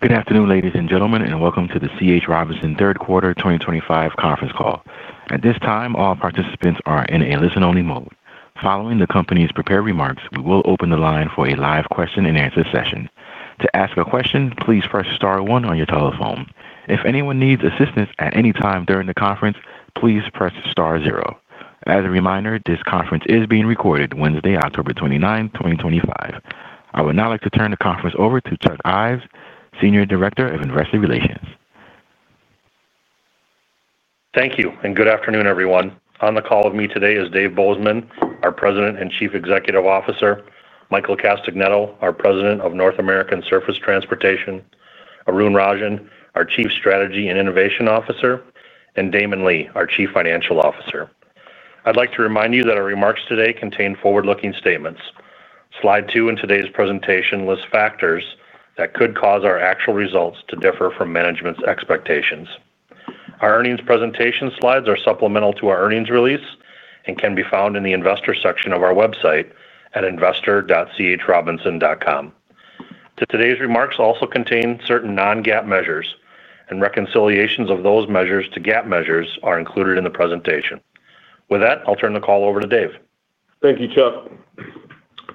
Good afternoon, ladies and gentlemen, and welcome to the C.H. Robinson Worldwide third quarter 2025 conference call. At this time, all participants are in a listen-only mode. Following the company's prepared remarks, we will open the line for a live question and answer session. To ask a question, please press Star one on your telephone. If anyone needs assistance at any time during the conference, please press Star zero. As a reminder, this conference is being recorded Wednesday, October 29, 2025. I would now like to turn the conference over to Chuck Ives, Senior Director of Investor Relations. Thank you, and good afternoon, everyone. On the call with me today is Dave Bozeman, our President and Chief Executive Officer; Michael Castagnetto, our President of North American Surface Transportation; Arun Rajan, our Chief Strategy and Innovation Officer; and Damon Lee, our Chief Financial Officer. I'd like to remind you that our remarks today contain forward-looking statements. Slide 2 in today's presentation lists factors that could cause our actual results to differ from management's expectations. Our earnings presentation slides are supplemental to our earnings release and can be found in the Investor section of our website at investor.chrobinson.com. Today's remarks also contain certain non-GAAP measures, and reconciliations of those measures to GAAP measures are included in the presentation. With that, I'll turn the call over to Dave. Thank you, Chuck.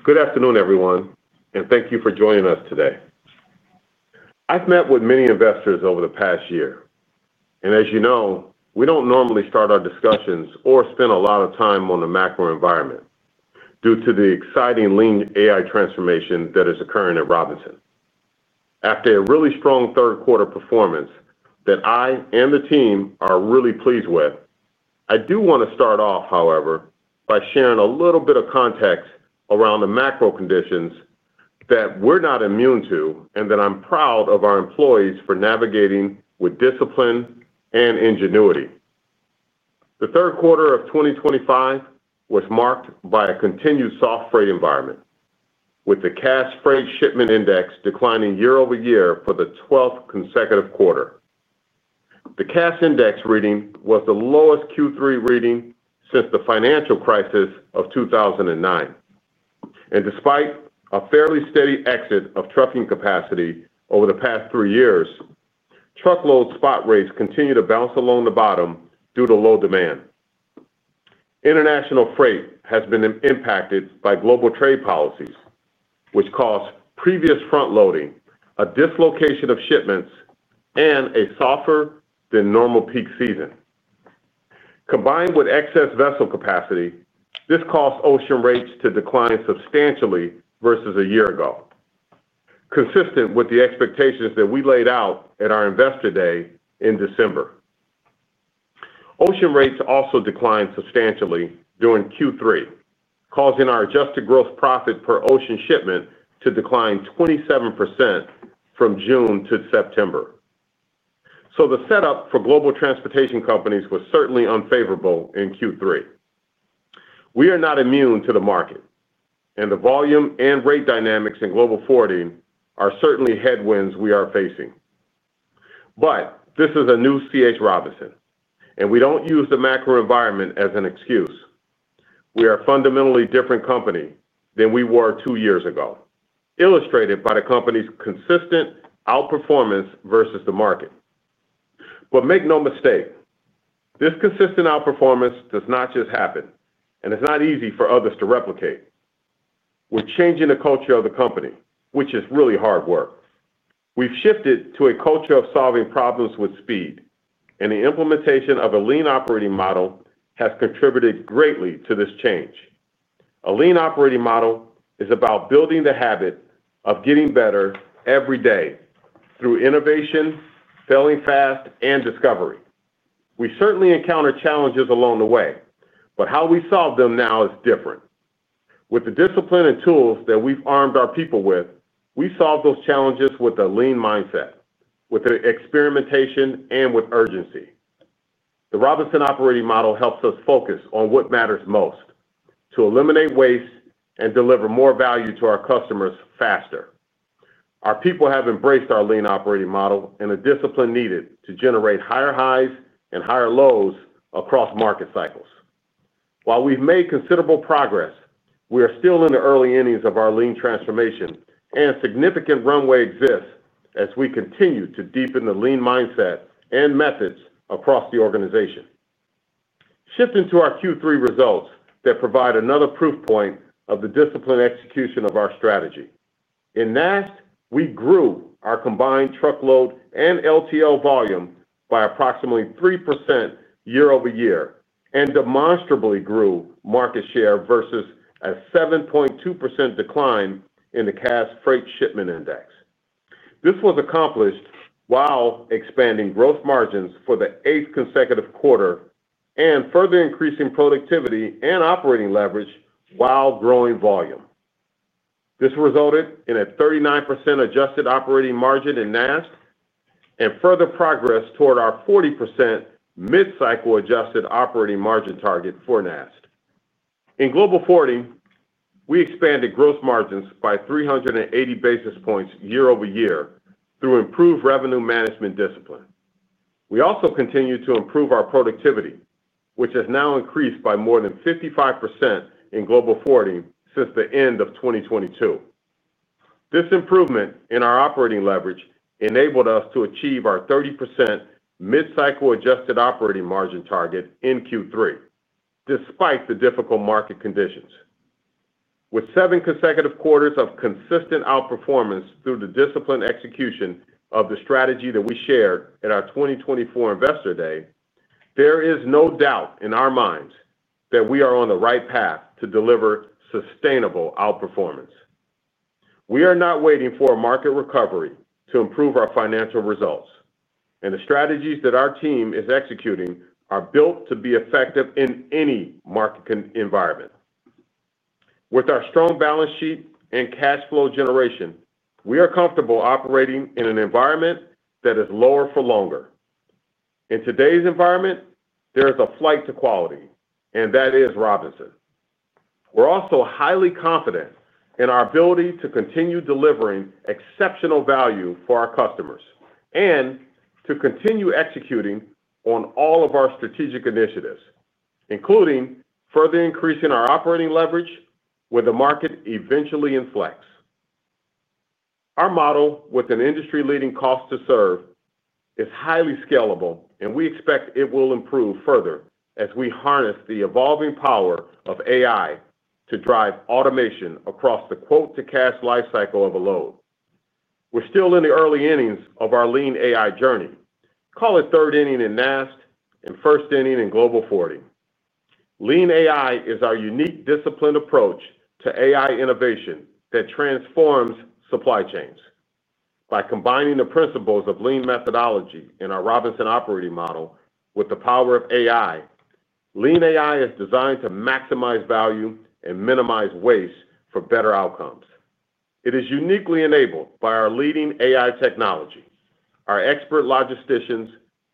Good afternoon, everyone, and thank you for joining us today. I've met with many investors over the past year, and as you know, we don't normally start our discussions or spend a lot of time on the macro environment due to the exciting Lean AI transformation that is occurring at C.H. Robinson Worldwide. After a really strong third quarter performance that I and the team are really pleased with, I do want to start off, however, by sharing a little bit of context around the macro conditions that we're not immune to and that I'm proud of our employees for navigating with discipline and ingenuity. The third quarter of 2025 was marked by a continued soft freight environment with the Cass Freight Shipment Index declining year-over-year. For the 12th consecutive quarter, the Cass index reading was the lowest Q3 reading since the financial crisis of 2009, and despite a fairly steady exit of trucking capacity over the past three years, truckload spot rates continue to bounce along the bottom due to low demand. International freight has been impacted by global trade policies, which caused previous front loading and a dislocation of shipments and a softer than normal peak season combined with excess vessel capacity. This caused ocean rates to decline substantially versus a year ago, consistent with the expectations that we laid out at our investor day in December. Ocean rates also declined substantially during Q3, causing our adjusted gross profit per ocean shipment to decline 27% from June to September. The setup for global transportation companies was certainly unfavorable in Q3. We are not immune to the market, and the volume and rate dynamics in global forwarding are certainly headwinds we are facing. This is a new C.H. Robinson Worldwide, and we don't use the macro environment as an excuse. We are a fundamentally different company than we were two years ago, illustrated by the company's consistent outperformance versus the market. Make no mistake, this consistent outperformance does not just happen, and it's not easy for others to replicate. We're changing the culture of the company, which is really hard work. We've shifted to a culture of solving problems with speed, and the implementation of a lean operating model has contributed greatly to this change. A lean operating model is about building the habit of getting better every day through innovation, failing fast, and discovery. We certainly encounter challenges along the way, but how we solve them now is different. With the discipline and tools that we've armed our people with, we solve those challenges with a lean mindset, with experimentation, and with urgency. The Robinson operating model helps us focus on what matters most to eliminate waste and deliver more value to our customers faster. Our people have embraced our lean operating model and the discipline needed to generate higher highs and higher lows across market cycles. While we've made considerable progress, we are still in the early innings of our lean transformation, and significant runway exists as we continue to deepen the lean mindset and methods across the organization. Shifting to our Q3 results, that provides another proof point of the disciplined execution of our strategy. In NAST, we grew our combined truckload and less-than-truckload volume by approximately 3% year-over-year and demonstrably grew market share versus a 7.2% decline in the Cass Freight Shipment Index. This was accomplished while expanding gross margins for the eighth consecutive quarter and further increasing productivity and operating leverage while growing volume. This resulted in a 39% adjusted operating margin in NAST and further progress toward our 40% mid-cycle adjusted operating margin target for NAST. In Global Forwarding, we expanded gross margins by 380 basis points year-over-year through improved revenue management discipline. We also continued to improve our productivity, which has now increased by more than 55% in Global Forwarding since the end of 2022. This improvement in our operating leverage enabled us to achieve our 30% mid-cycle adjusted operating margin target in Q3 despite the difficult market conditions. With seven consecutive quarters of consistent outperformance through the disciplined execution of the strategy that we shared at our 2024 Investor Day, there is no doubt in our minds that we are on the right path to deliver sustainable outperformance. We are not waiting for a market recovery to improve our financial results, and the strategies that our team is executing are built to be effective in any market environment. With our strong balance sheet and cash flow generation, we are comfortable operating in an environment that is lower for longer. In today's environment, there is a flight to quality, and that is Robinson. We're also highly confident in our ability to continue delivering exceptional value for our customers and to continue executing on all of our strategic initiatives, including further increasing our operating leverage where the market eventually inflects. Our model, with an industry-leading cost to serve, is highly scalable, and we expect it will improve further as we harness the evolving power of AI to drive automation across the quote-to-cash life cycle of a load. We're still in the early innings of our Lean AI journey. Call it third inning in NAST and first inning in Global Forwarding. Lean AI is our unique, disciplined approach to AI innovation that transforms supply chains by combining the principles of Lean methodology in our Robinson operating model with the power of AI. Lean AI is designed to maximize value and minimize waste for better outcomes. It is uniquely enabled by our leading AI technology, our expert logisticians,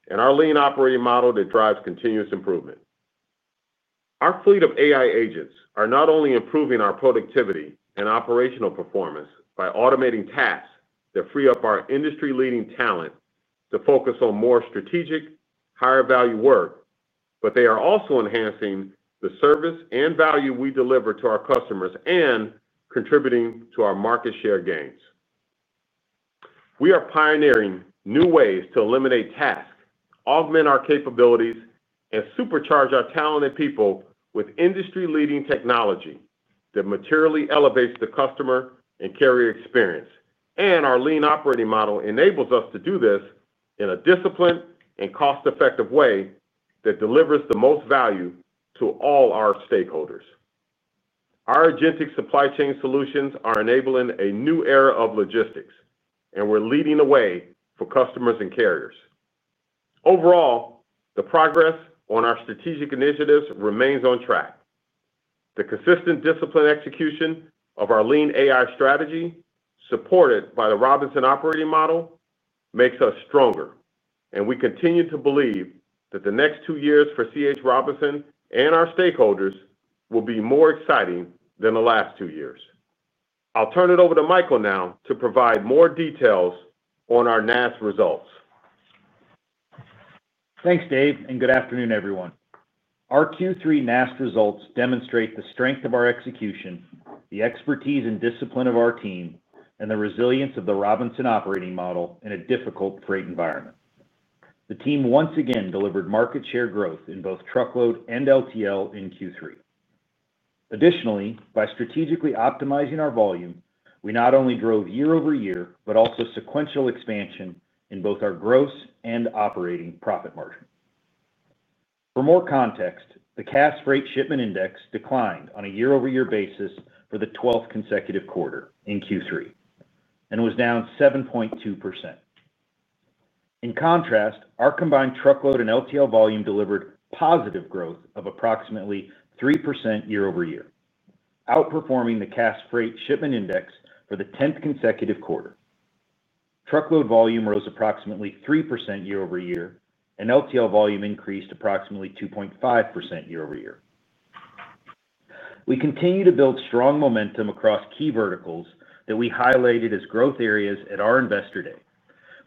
and our Lean operating model that drives continuous improvement. Our fleet of AI agents are not only improving our productivity and operational performance by automating tasks that free up our industry-leading talent to focus on more strategic, higher-value work, but they are also enhancing the service and value we deliver to our customers and contributing to our market share gains. We are pioneering new ways to eliminate tasks, augment our capabilities, and supercharge our talented people with industry-leading technology that materially elevates the customer and carrier experience, and our Lean operating model enables us to do this in a disciplined and cost-effective way that delivers the most value to all our stakeholders. Our AgentIQ supply chain solutions are enabling a new era of logistics, and we're leading the way for customers and carriers overall. The progress on our strategic initiatives remains on track. The consistent, disciplined execution of our Lean AI strategy, supported by the Robinson operating model, makes us stronger, and we continue to believe that the next two years for C.H. Robinson and our stakeholders will be more exciting than the last two years. I'll turn it over to Michael now to provide more details on our NAST results. Thanks Dave and good afternoon everyone. Our Q3 NAST results demonstrate the strength of our execution, the expertise and discipline of our team, and the resilience of the Robinson operating model in a difficult freight environment. The team once again delivered market share growth in both truckload and less-than-truckload (LTL) in Q3. Additionally, by strategically optimizing our volume, we not only drove year-over-year but also sequential expansion in both our gross and operating profit margin. For more context, the Cass Freight Shipment Index declined on a year-over-year basis for the 12th consecutive quarter in Q3 and was down 7.2%. In contrast, our combined truckload and LTL volume delivered positive growth of approximately 3% year-over-year, outperforming the Cass Freight Shipment Index for the tenth consecutive quarter. Truckload volume rose approximately 3% year-over-year and LTL volume increased approximately 2.5% year-over-year. We continue to build strong momentum across key verticals that we highlighted as growth areas at our investor day,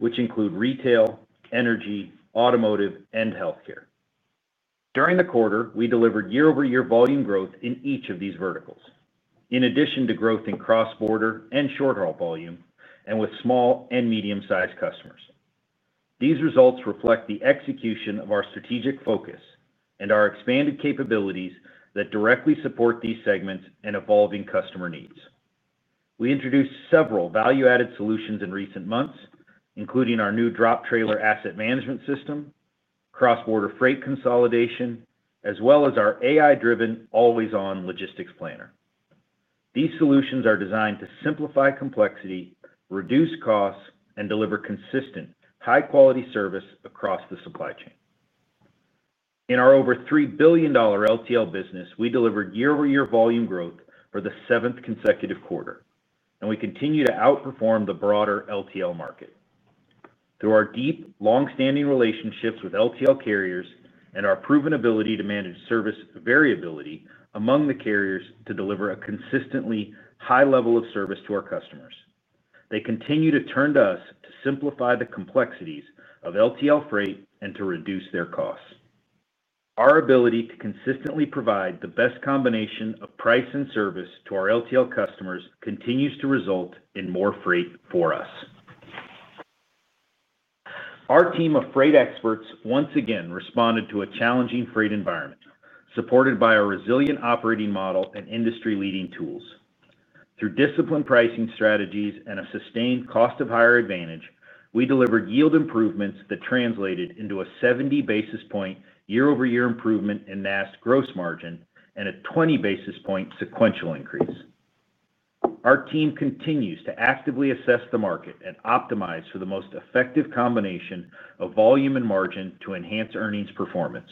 which include retail, energy, automotive, and healthcare. During the quarter, we delivered year-over-year volume growth in each of these verticals in addition to growth in cross border and short haul volume and with small and medium sized customers. These results reflect the execution of our strategic focus and our expanded capabilities that directly support these segments and evolving customer needs. We introduced several value added solutions in recent months, including our new Drop Trailer Asset Management system, cross border freight consolidation, as well as our AI-driven Always On Logistics Planner. These solutions are designed to simplify complexity, reduce costs, and deliver consistent high quality service across the supply chain. In our over $3 billion LTL business, we delivered year-over-year volume growth for the seventh consecutive quarter, and we continue to outperform the broader LTL market through our deep, long-standing relationships with LTL carriers and our proven ability to manage service variability among the carriers to deliver a consistently high level of service to our customers. They continue to turn to us to simplify the complexities of LTL freight and to reduce their costs. Our ability to consistently provide the best combination of price and service to our LTL customers continues to result in more freight for us. Our team of freight experts once again responded to a challenging freight environment, supported by a resilient operating model and industry-leading tools. Through disciplined pricing strategies and a sustained cost of hire advantage, we delivered yield improvements that translated into a 70 basis point year-over-year improvement in NAST gross margin and a 20 basis point sequential increase. Our team continues to actively assess the market and optimize for the most effective combination of volume and margin to enhance earnings performance.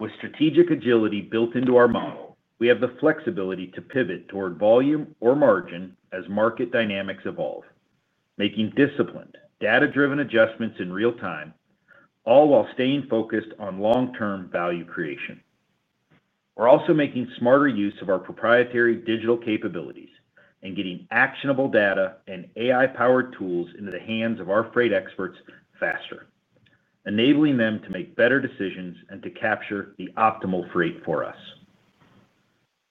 With strategic agility built into our model, we have the flexibility to pivot toward volume or margin as market dynamics evolve, making disciplined, data-driven adjustments in real time, all while staying focused on long-term value creation. We're also making smarter use of our proprietary digital capabilities and getting actionable data and AI-powered tools into the hands of our freight experts faster, enabling them to make better decisions and to capture the optimal freight for us.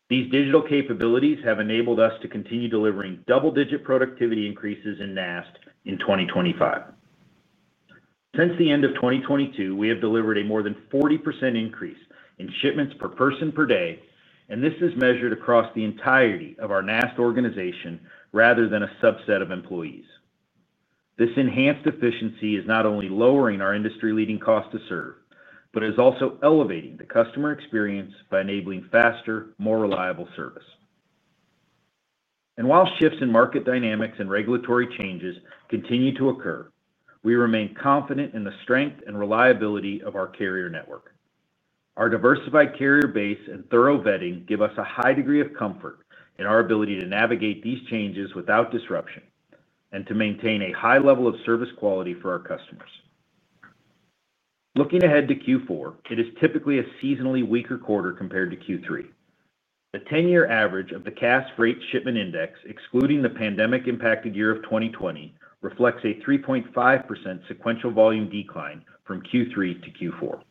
These digital capabilities have enabled us to continue delivering double-digit productivity increases in NAST in 2025. Since the end of 2022, we have delivered a more than 40% increase in shipments per person per day, and this is measured across the entirety of our NAST organization rather than a subset of employees. This enhanced efficiency is not only lowering our industry-leading cost to serve, but is also elevating the customer experience by enabling faster, more reliable service. While shifts in market dynamics and regulatory changes continue to occur, we remain confident in the strength and reliability of our carrier network. Our diversified carrier base and thorough vetting give us a high degree of comfort in our ability to navigate these changes without disruption and to maintain a high level of service quality for our customers. Looking ahead to Q4, it is typically a seasonally weaker quarter compared to Q3. The 10-year average of the Cass Freight Shipment Index, excluding the pandemic-impacted year of 2020, reflects a 3.5% sequential volume decline from Q3 to Q4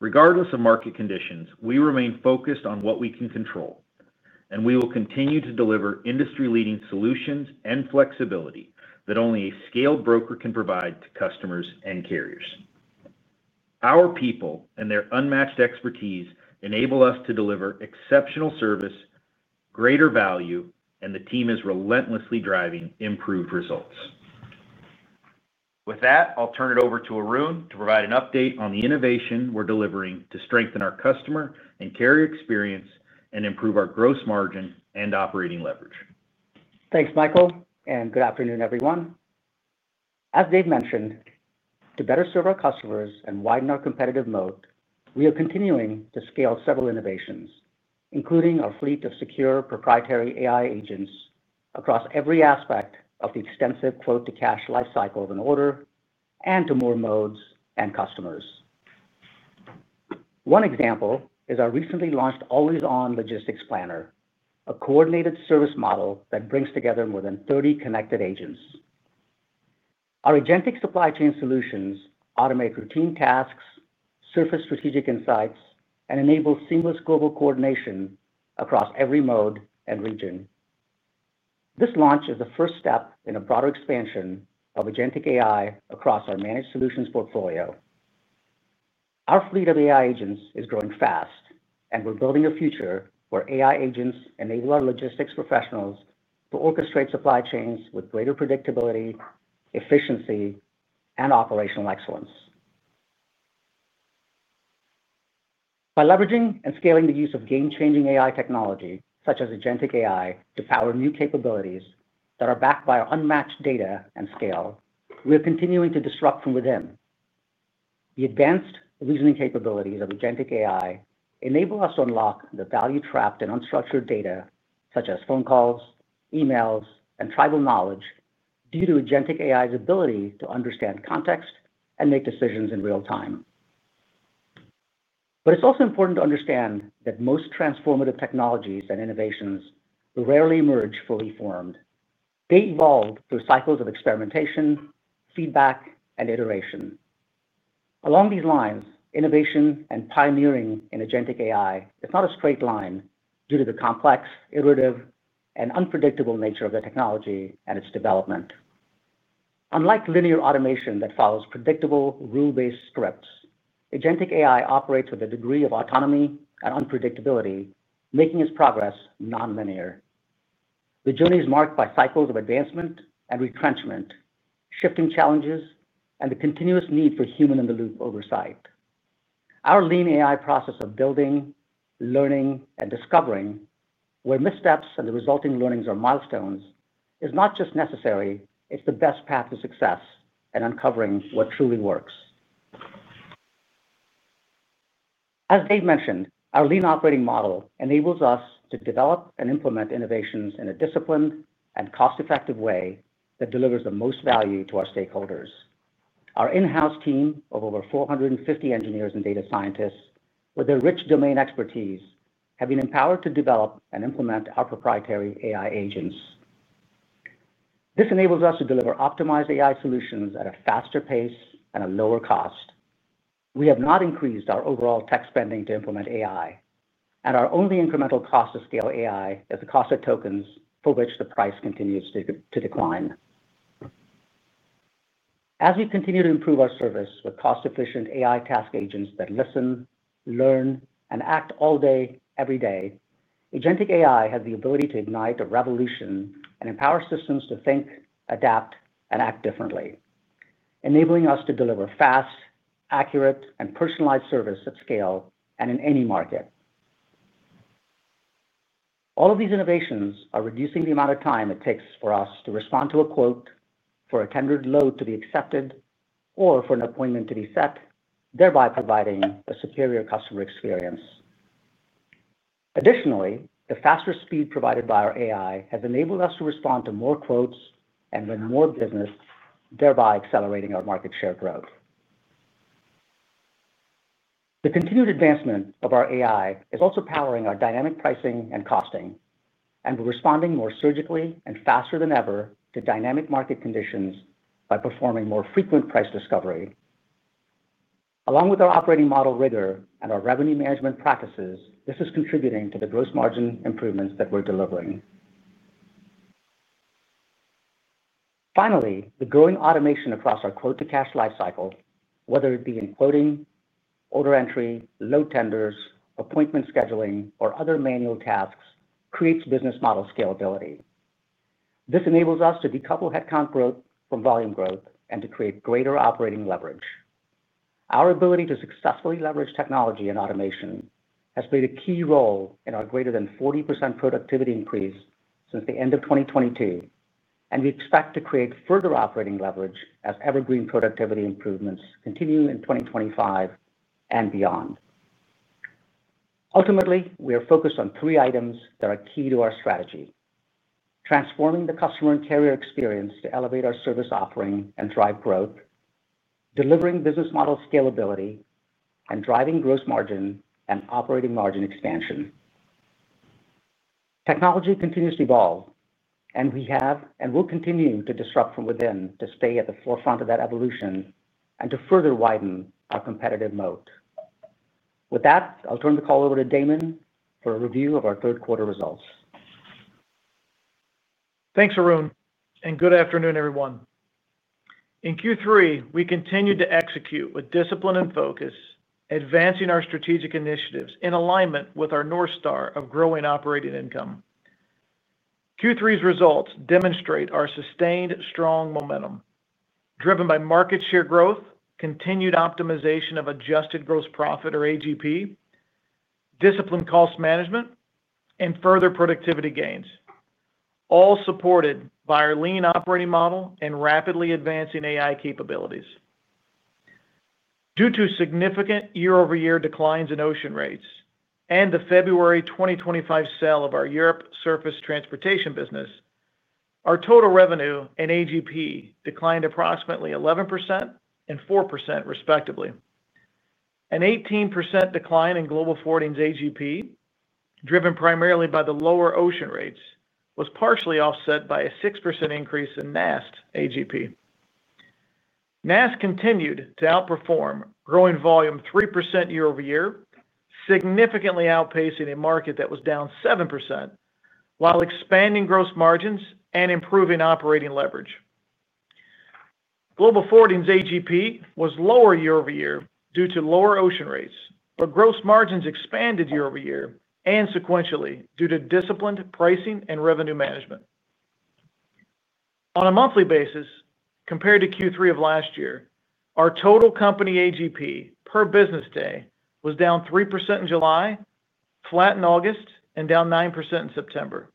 regardless of market conditions. We remain focused on what we can control, and we will continue to deliver industry-leading solutions and flexibility that only a scaled broker can provide to customers and carriers. Our people and their unmatched expertise enable us to deliver exceptional service, greater value, and the team is relentlessly driving improved results. With that, I'll turn it over to Arun to provide an update on the innovation we're delivering to strengthen our customer and carrier experience and improve our gross margin and operating leverage. Thanks, Michael, and good afternoon, everyone. As Dave mentioned, to better serve our customers and widen our competitive moat, we are continuing to scale several innovations, including our fleet of secure proprietary AI agents across every aspect of the extensive quote-to-cash lifecycle of an order and to more modes and customers. One example is our recently launched Always On Logistics Planner, a coordinated service model that brings together more than 30 connected agents. Our AgentIQ supply chain solutions automate routine tasks, surface strategic insights, and enable seamless global coordination across every mode and region. This launch is the first step in a broader expansion of AgentIQ AI across our Managed Solutions portfolio. Our fleet of AI agents is growing fast, and we're building a future where AI agents enable our logistics professionals to orchestrate supply chains with greater predictability, efficiency, and operational excellence. By leveraging and scaling the use of game-changing AI technology such as Agentic AI to power new capabilities that are backed by unmatched data and scale, we are continuing to disrupt from within. The advanced reasoning capabilities of Agentic AI enable us to unlock the value trapped in unstructured data such as phone calls, emails, and tribal knowledge due to Agentic AI's ability to understand context and make decisions in real time. It is also important to understand that most transformative technologies and innovations rarely emerge fully formed. They evolve through cycles of experimentation, feedback, and iteration. Along these lines, innovation and pioneering in Agentic AI is not a straight line due to the complex, iterative, and unpredictable nature of the technology and its development. Unlike linear automation that follows predictable rule-based scripts, Agentic AI operates with a degree of autonomy and unpredictability, making its progress nonlinear. The journey is marked by cycles of advancement and retrenchment, shifting challenges, and the continuous need for human-in-the-loop oversight. Our Lean AI process of building, learning, and discovering where missteps and the resulting learnings are milestones is not just necessary, it's the best path to success and uncovering what truly works. As Dave mentioned, our lean operating model enables us to develop and implement innovations in a disciplined and cost-effective way that delivers the most value to our stakeholders. Our in-house team of over 450 engineers and data scientists with their rich domain expertise have been empowered to develop and implement our proprietary AI agents. This enables us to deliver optimized AI solutions at a faster pace and a lower cost. We have not increased our overall tech spending to implement AI, and our only incremental cost to scale AI is the cost of tokens, for which the price continues to decline as we continue to improve our service with cost-efficient AI task agents that listen, learn, and act all day, every day. Agentic AI has the ability to ignite a revolution and empower systems to think, adapt, and act differently, enabling us to deliver fast, accurate, and personalized service at scale and in any market. All of these innovations are reducing the amount of time it takes for us to respond to a quote, for a tender load to be accepted, or for an appointment to be set, thereby providing a superior customer experience. Additionally, the faster speed provided by our AI has enabled us to respond to more quotes and run more business, thereby accelerating our market share growth. The continued advancement of our AI is also powering our dynamic pricing and costing, and we're responding more surgically and faster than ever to dynamic market conditions by performing more frequent price discovery along with our operating model rigor and our revenue management practices. This is contributing to the gross margin improvements that we're delivering. Finally, the growing automation across our quote-to-cash lifecycle, whether it be in quoting, order entry, load tenders, appointment scheduling, or other manual tasks, creates business model scalability. This enables us to decouple headcount growth from volume growth and to create greater operating leverage. Our ability to successfully leverage technology and automation has played a key role in our greater than 40% productivity increase since the end of 2022, and we expect to create further operating leverage as evergreen productivity improvements continue in 2025 and beyond. Ultimately, we are focused on three items that are key to our strategy: transforming the customer and carrier experience to elevate our service offering and drive growth, delivering business model scalability, and driving gross margin and operating margin expansion. Technology continues to evolve, and we have and will continue to disrupt from within to stay at the forefront of that evolution and to further widen our competitive moat. With that, I'll turn the call over to Damon for a review of our third quarter results. Thanks Arun and good afternoon everyone. In Q3 we continued to execute with discipline and focus, advancing our strategic initiatives in alignment with our North Star of growing operating income. Q3's results demonstrate our sustained strong momentum driven by market share growth, continued optimization of adjusted gross profit or AGP, disciplined cost management, and further productivity gains, all supported by our lean operating model and rapidly advancing AI capabilities. Due to significant year-over-year declines in ocean rates and the February 2025 sale of our Europe surface transportation business, our total revenue and AGP declined approximately 11% and 4%, respectively. An 18% decline in Global Forwarding's AGP, driven primarily by the lower ocean rates, was partially offset by a 6% increase in NAST AGP. NAST continued to outperform, growing volume 3% year-over-year, significantly outpacing a market that was down 7% while expanding gross margins and improving operating leverage. Global Forwarding's AGP was lower year-over-year due to lower ocean rates, but gross margins expanded year-over-year and sequentially due to disciplined pricing and revenue management on a monthly basis. Compared to Q3 of last year, our total company AGP per business day was down 3% in July, flat in August, and down 9% in September.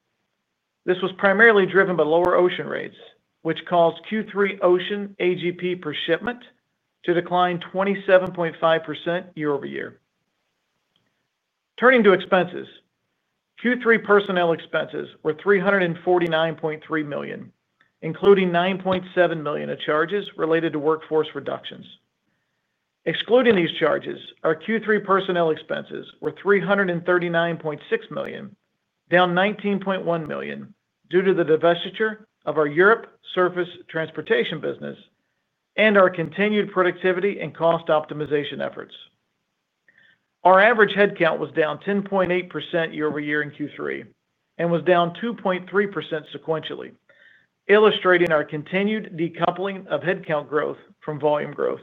This was primarily driven by lower ocean rates, which caused Q3 ocean AGP per shipment to decline 27.5% year-over-year. Turning to expenses, Q3 personnel expenses were $349.3 million, including $9.7 million of charges related to workforce reductions. Excluding these charges, our Q3 personnel expenses were $339.6 million, down $19.1 million. Due to the divestiture of our Europe surface transportation business and our continued productivity and cost optimization efforts, our average headcount was down 10.8% year-over-year in Q3 and was down 2.3% sequentially, illustrating our continued decoupling of headcount growth from volume growth.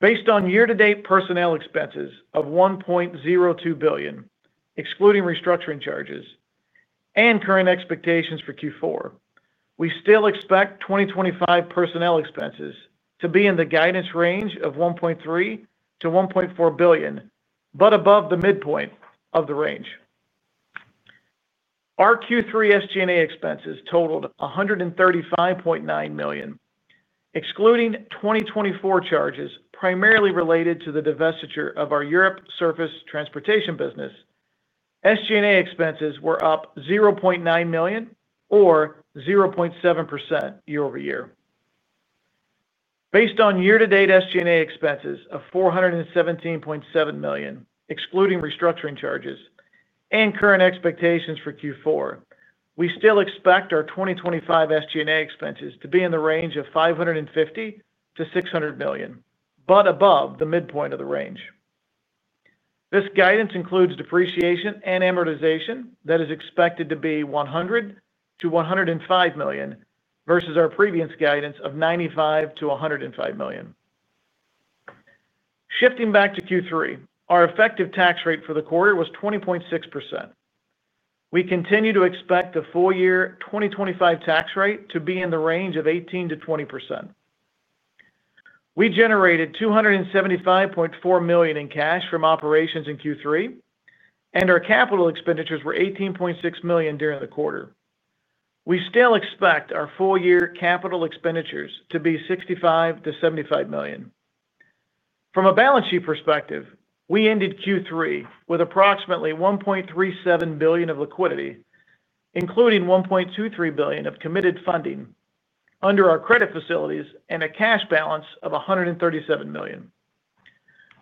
Based on year-to-date personnel expenses of $1.02 billion excluding restructuring charges and current expectations for Q4, we still expect 2025 personnel expenses to be in the guidance range of $1.3 billion-$1.4 billion but above the midpoint of the range. Our Q3 SGA expenses totaled $135.9 million. Excluding 2024 charges primarily related to the divestiture of our Europe surface transportation business, SGA expenses were up $0.9 million or 0.7% year-over-year. Based on year to date SGA expenses of $417.7 million excluding restructuring charges and current expectations for Q4, we still expect our 2025 SGA expenses to be in the range of $550 million-$600 million but above the midpoint of the range. This guidance includes depreciation and amortization that is expected to be $100 million-$105 million versus our previous guidance of $95 million-$105 million. Shifting back to Q3, our effective tax rate for the quarter was 20.6%. We continue to expect the full year 2025 tax rate to be in the range of 18%-20%. We generated $275.4 million in cash from operations in Q3 and our capital expenditures were $18.6 million during the quarter. We still expect our full year capital expenditures to be $65 million-$75 million. From a balance sheet perspective, we ended Q3 with approximately $1.37 billion of liquidity, including $1.23 billion of committed funding under our credit facilities and a cash balance of $137 million.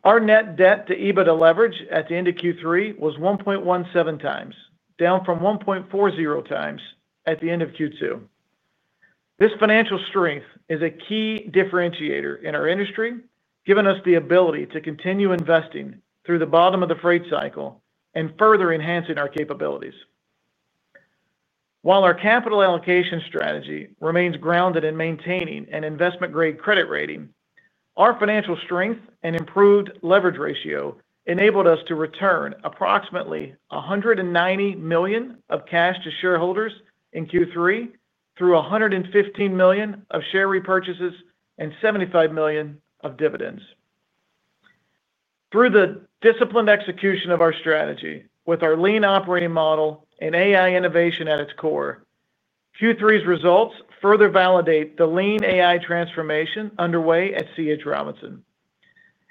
Our net debt to EBITDA leverage at the end of Q3 was 1.17x, down from 1.40x at the end of Q2. This financial strength is a key differentiator in our industry, giving us the ability to continue investing through the bottom of the freight cycle and further enhancing our capabilities. While our capital allocation strategy remains grounded in maintaining an investment grade credit rating, our financial strength and improved leverage ratio enabled us to return approximately $190 million of cash to shareholders in Q3 through $115 million of share repurchases and $75 million of dividends through the disciplined execution of our strategy. With our lean operating model and AI innovation at its core, Q3's results further validate the Lean AI transformation underway at C.H. Robinson Worldwide.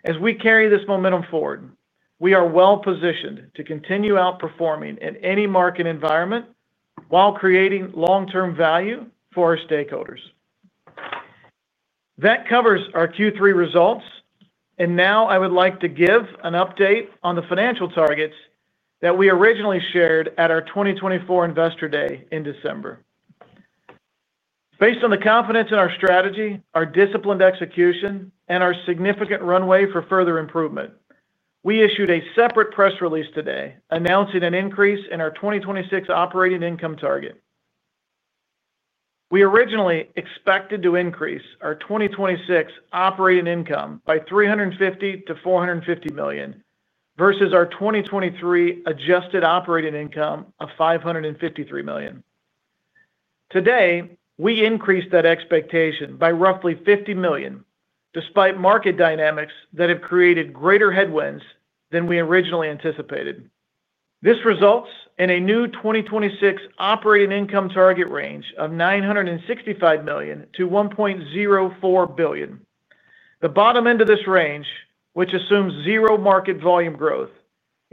As we carry this momentum forward, we are well positioned to continue outperforming in any market environment while creating long term value for our stakeholders. That covers our Q3 results and now I would like to give an update on the financial targets that we originally shared at our 2024 Investor Day in December. Based on the confidence in our strategy, our disciplined execution and our significant runway for further improvement, we issued a separate press release today announcing an increase in our 2026 operating income target. We originally expected to increase our 2026 operating income by $350 million-$450 million versus our 2023 adjusted operating income of $553 million. Today we increased that expectation by roughly $50 million, despite market dynamics that have created greater headwinds than we originally anticipated. This results in a new 2026 operating income target range of $965 million-$1.04 billion. The bottom end of this range, which assumes zero market volume growth,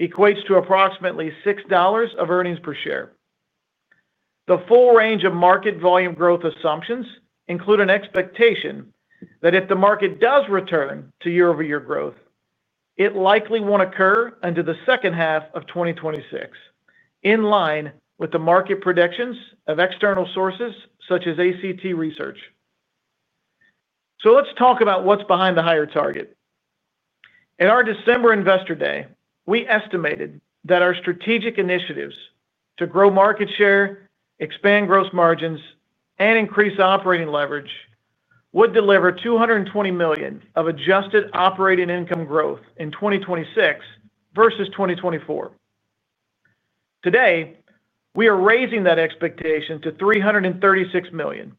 equates to approximately $6 of earnings per share. The full range of market volume growth assumptions includes an expectation that if the market does return to year-over-year growth, it likely won't occur until the second half of 2026, in line with the market predictions of external sources such as ACT Research. Let's talk about what's behind the higher target. In our December Investor Day, we estimated that our strategic initiatives to grow market share, expand gross margins, and increase operating leverage would deliver $220 million of adjusted operating income growth in 2026 versus 2024. Today we are raising that expectation to $336 million,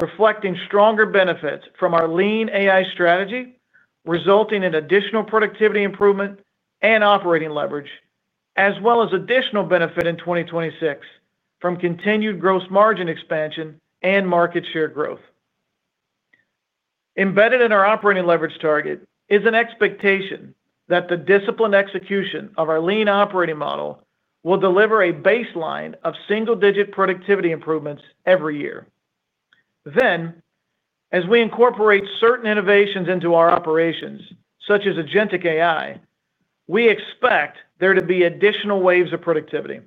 reflecting stronger benefits from our Lean AI strategy, resulting in additional productivity improvement and operating leverage as well as additional benefit in 2026 from continued gross margin expansion and market share growth. Embedded in our operating leverage target is an expectation that the disciplined execution of our lean operating model will deliver a baseline of single-digit productivity improvements every year. As we incorporate certain innovations into our operations such as proprietary AI-driven innovations, we expect there to be additional waves of productivity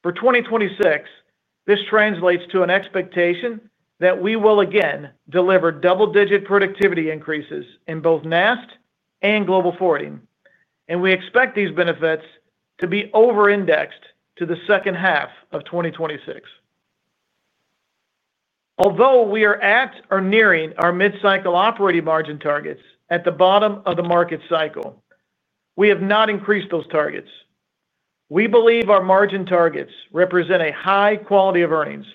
for 2026. This translates to an expectation that we will again deliver double-digit productivity increases in both North American Surface Transportation (NAST) and global forwarding, and we expect these benefits to be over-indexed to the second half of 2026. Although we are at or nearing our mid-cycle operating margin targets at the bottom of the market cycle, we have not increased those targets. We believe our margin targets represent a high quality of earnings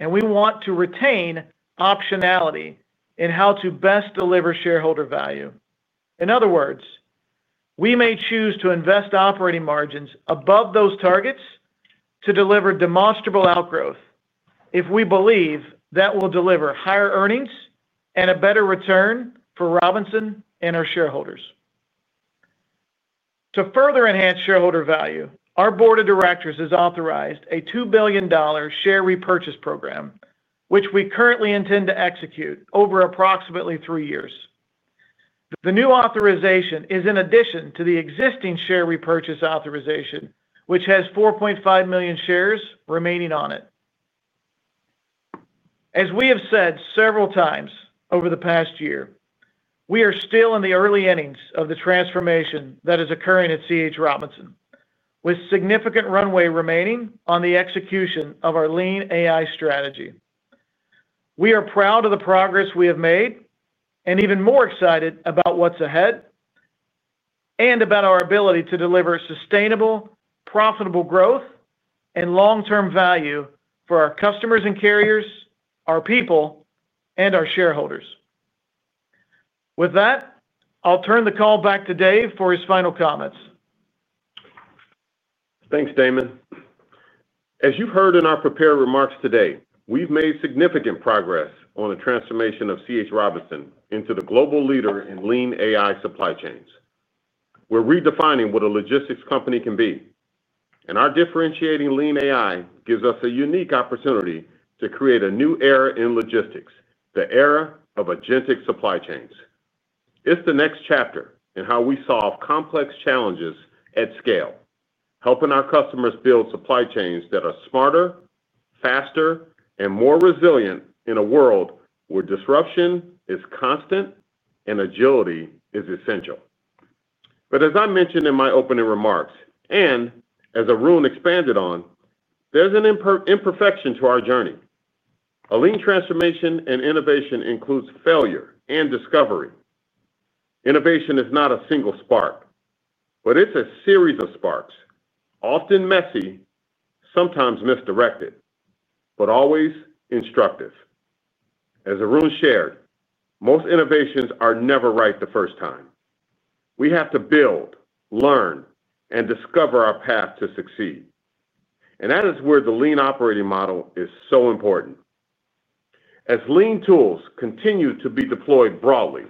and we want to retain optionality in how to best deliver shareholder value. In other words, we may choose to invest operating margins above those targets to deliver demonstrable outgrowth if we believe that will deliver higher earnings and a better return for C.H. Robinson Worldwide and our shareholders. To further enhance shareholder value, our Board of Directors has authorized a $2 billion share repurchase program, which we currently intend to execute over approximately three years. The new authorization is in addition to the existing share repurchase authorization, which has 4.5 million shares remaining on it. As we have said several times over the past year, we are still in the early innings of the transformation that is occurring at C.H. Robinson, with significant runway remaining on the execution of our Lean AI strategy. We are proud of the progress we have made and even more excited about what's ahead and about our ability to deliver sustainable, profitable growth and long-term value for our customers and carriers, our people, and our shareholders. With that, I'll turn the call back to Dave for his final comments. Thanks, Damon. As you've heard in our prepared remarks today, we've made significant progress on the transformation of C.H. Robinson Worldwide into the global leader in Lean AI supply chains. We're redefining what a logistics company can be, and our differentiating Lean AI gives us a unique opportunity to create a new era in logistics, the era of Agentic supply chains. It's the next chapter in how we solve complex challenges and at scale, helping our customers build supply chains that are smarter, faster, and more resilient in a world where disruption is constant and agility is essential. As I mentioned in my opening remarks, and as Arun expanded on, there's an imperfection to our journey. A lean transformation and innovation includes failure and discovery. Innovation is not a single spark, it's a series of sparks, often messy, sometimes misdirected, but always instructive. As Arun shared, most innovations are never right the first time. We have to build, learn, and discover our path to succeed. That is where the lean operating model is so important. As lean tools continue to be deployed broadly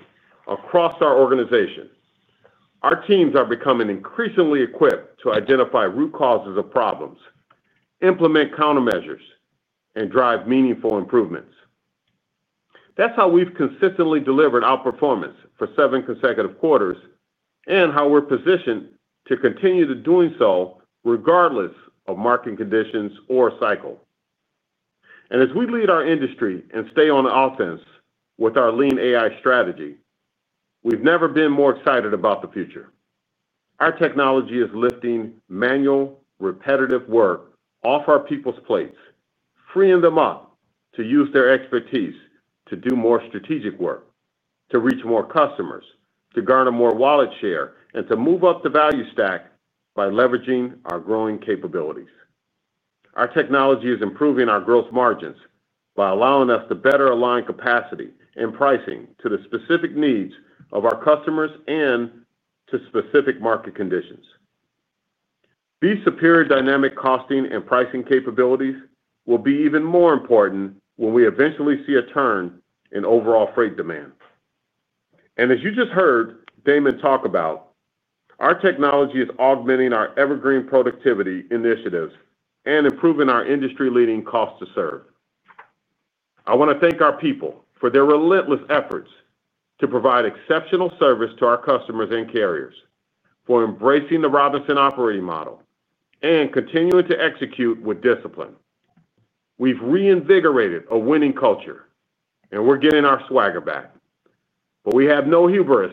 across our organization, our teams are becoming increasingly equipped to identify root causes of problems, implement countermeasures, and drive meaningful improvements. That's how we've consistently delivered outperformance for seven consecutive quarters and how we're positioned to continue doing so regardless of market conditions or cycle. As we lead our industry and stay on offense with our Lean AI strategy, we've never been more excited about the future. Our technology is lifting manual repetitive work off our people's plates, freeing them up to use their expertise to do more strategic work, to reach more customers, to garner more wallet share, and to move up the value stack. By leveraging our growing capabilities, our technology is improving our gross margins by allowing us to better align capacity and pricing to the specific needs of our customers and to specific market conditions. These superior dynamic costing and pricing capabilities will be even more important when we eventually see a turn in overall freight demand. As you just heard Damon talk about, our technology is augmenting our evergreen productivity initiatives and improving our industry-leading cost to serve. I want to thank our people for their relentless efforts to provide exceptional service to our customers and carriers, for embracing the Robinson operating model and continuing to execute with discipline. We've reinvigorated a winning culture and we're getting our swagger back. We have no hubris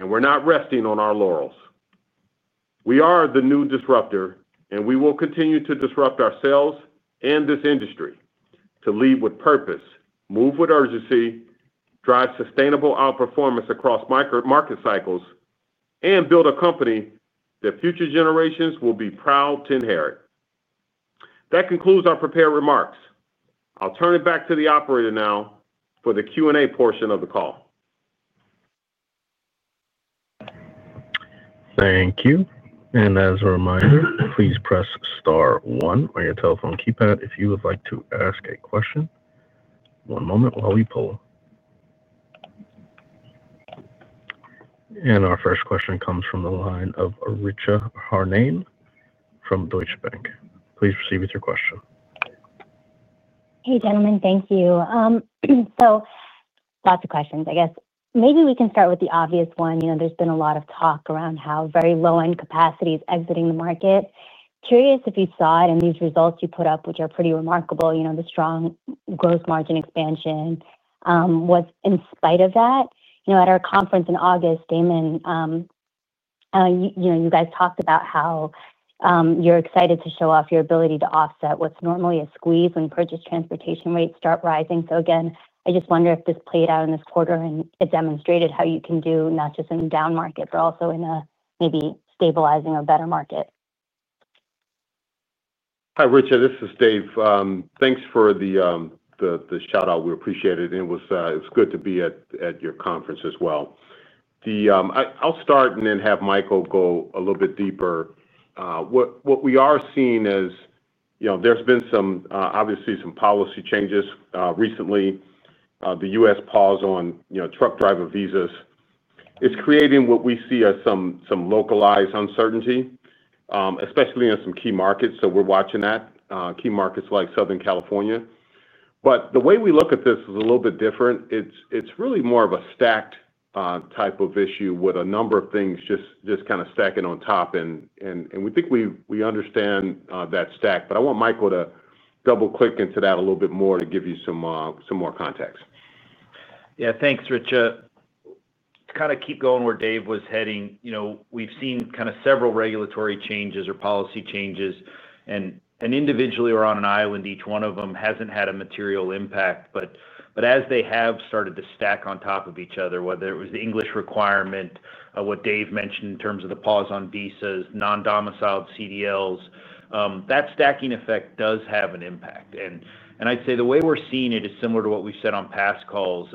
and we're not resting on our laurels. We are the new disruptor and we will continue to disrupt ourselves and this industry to lead with purpose, move with urgency, drive sustainable outperformance across market cycles, and build a company that future generations will be proud to inherit. That concludes our prepared remarks. I'll turn it back to the operator now for the Q and A portion of the call. Thank you. As a reminder, please press star 1 on your telephone keypad if you would like to ask a question. One moment while we pull. Our first question comes from the line of Richa Harnain from Deutsche Bank. Please proceed with your question. Hey gentlemen. Thank you. Lots of questions. I guess maybe we can start with the obvious one. You know, there's been a lot of talk around how very low end capacity is exiting the market. Curious if you saw it in these results you put up, which are pretty remarkable. The strong gross margin expansion was in spite of that. At our conference in August, Damon, you guys talked about how you're excited to show off your ability to offset what's normally a squeeze when purchase transportation rates start rising. I just wonder if this played out in this quarter and it demonstrated how you can do not just in a down market but also in maybe stabilizing a better market. Hi Richa, this is Dave. Thanks for the shout out, we appreciate it. It was good to be at your conference as well. I'll start and then have Michael go a little bit deeper. What we are seeing is, you know, there's been some, obviously some policy changes recently. The U.S. pause on, you know, truck driver visas is creating what we see as some localized uncertainty, especially in some key markets. We're watching that, key markets like Southern California. The way we look at this is a little bit different. It's really more of a stacked type of issue with a number of things just kind of stacking on top. We think we understand that stack. I want Michael to double click into that a little bit more to give you some more context. Yeah. Thanks, Richa. To kind of keep going where Dave was heading, we've seen several regulatory changes or policy changes, and individually or on an island, each one of them hasn't had a material impact. As they have started to stack on top of each other, whether it was the English requirement, what Dave mentioned in terms of the pause on visas, non-domiciled CDLs, that stacking effect does have an impact. I'd say the way we're seeing it is similar to what we've said on past calls: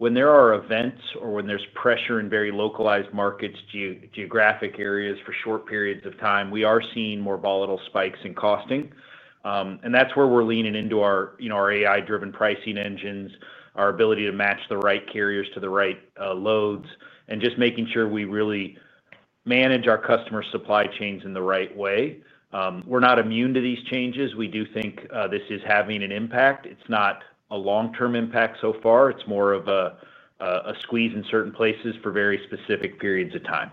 when there are events or when there's pressure in very localized markets or geographic areas for short periods of time, we are seeing more volatile spikes in costing. That's where we're leaning into our AI-driven pricing engines, our ability to match the right carriers to the right loads, and just making sure we really manage our customer supply chains in the right way. We're not immune to these changes. We do think this is having an impact. It's not a long-term impact so far. It's more of a squeeze in certain places for very specific periods of time.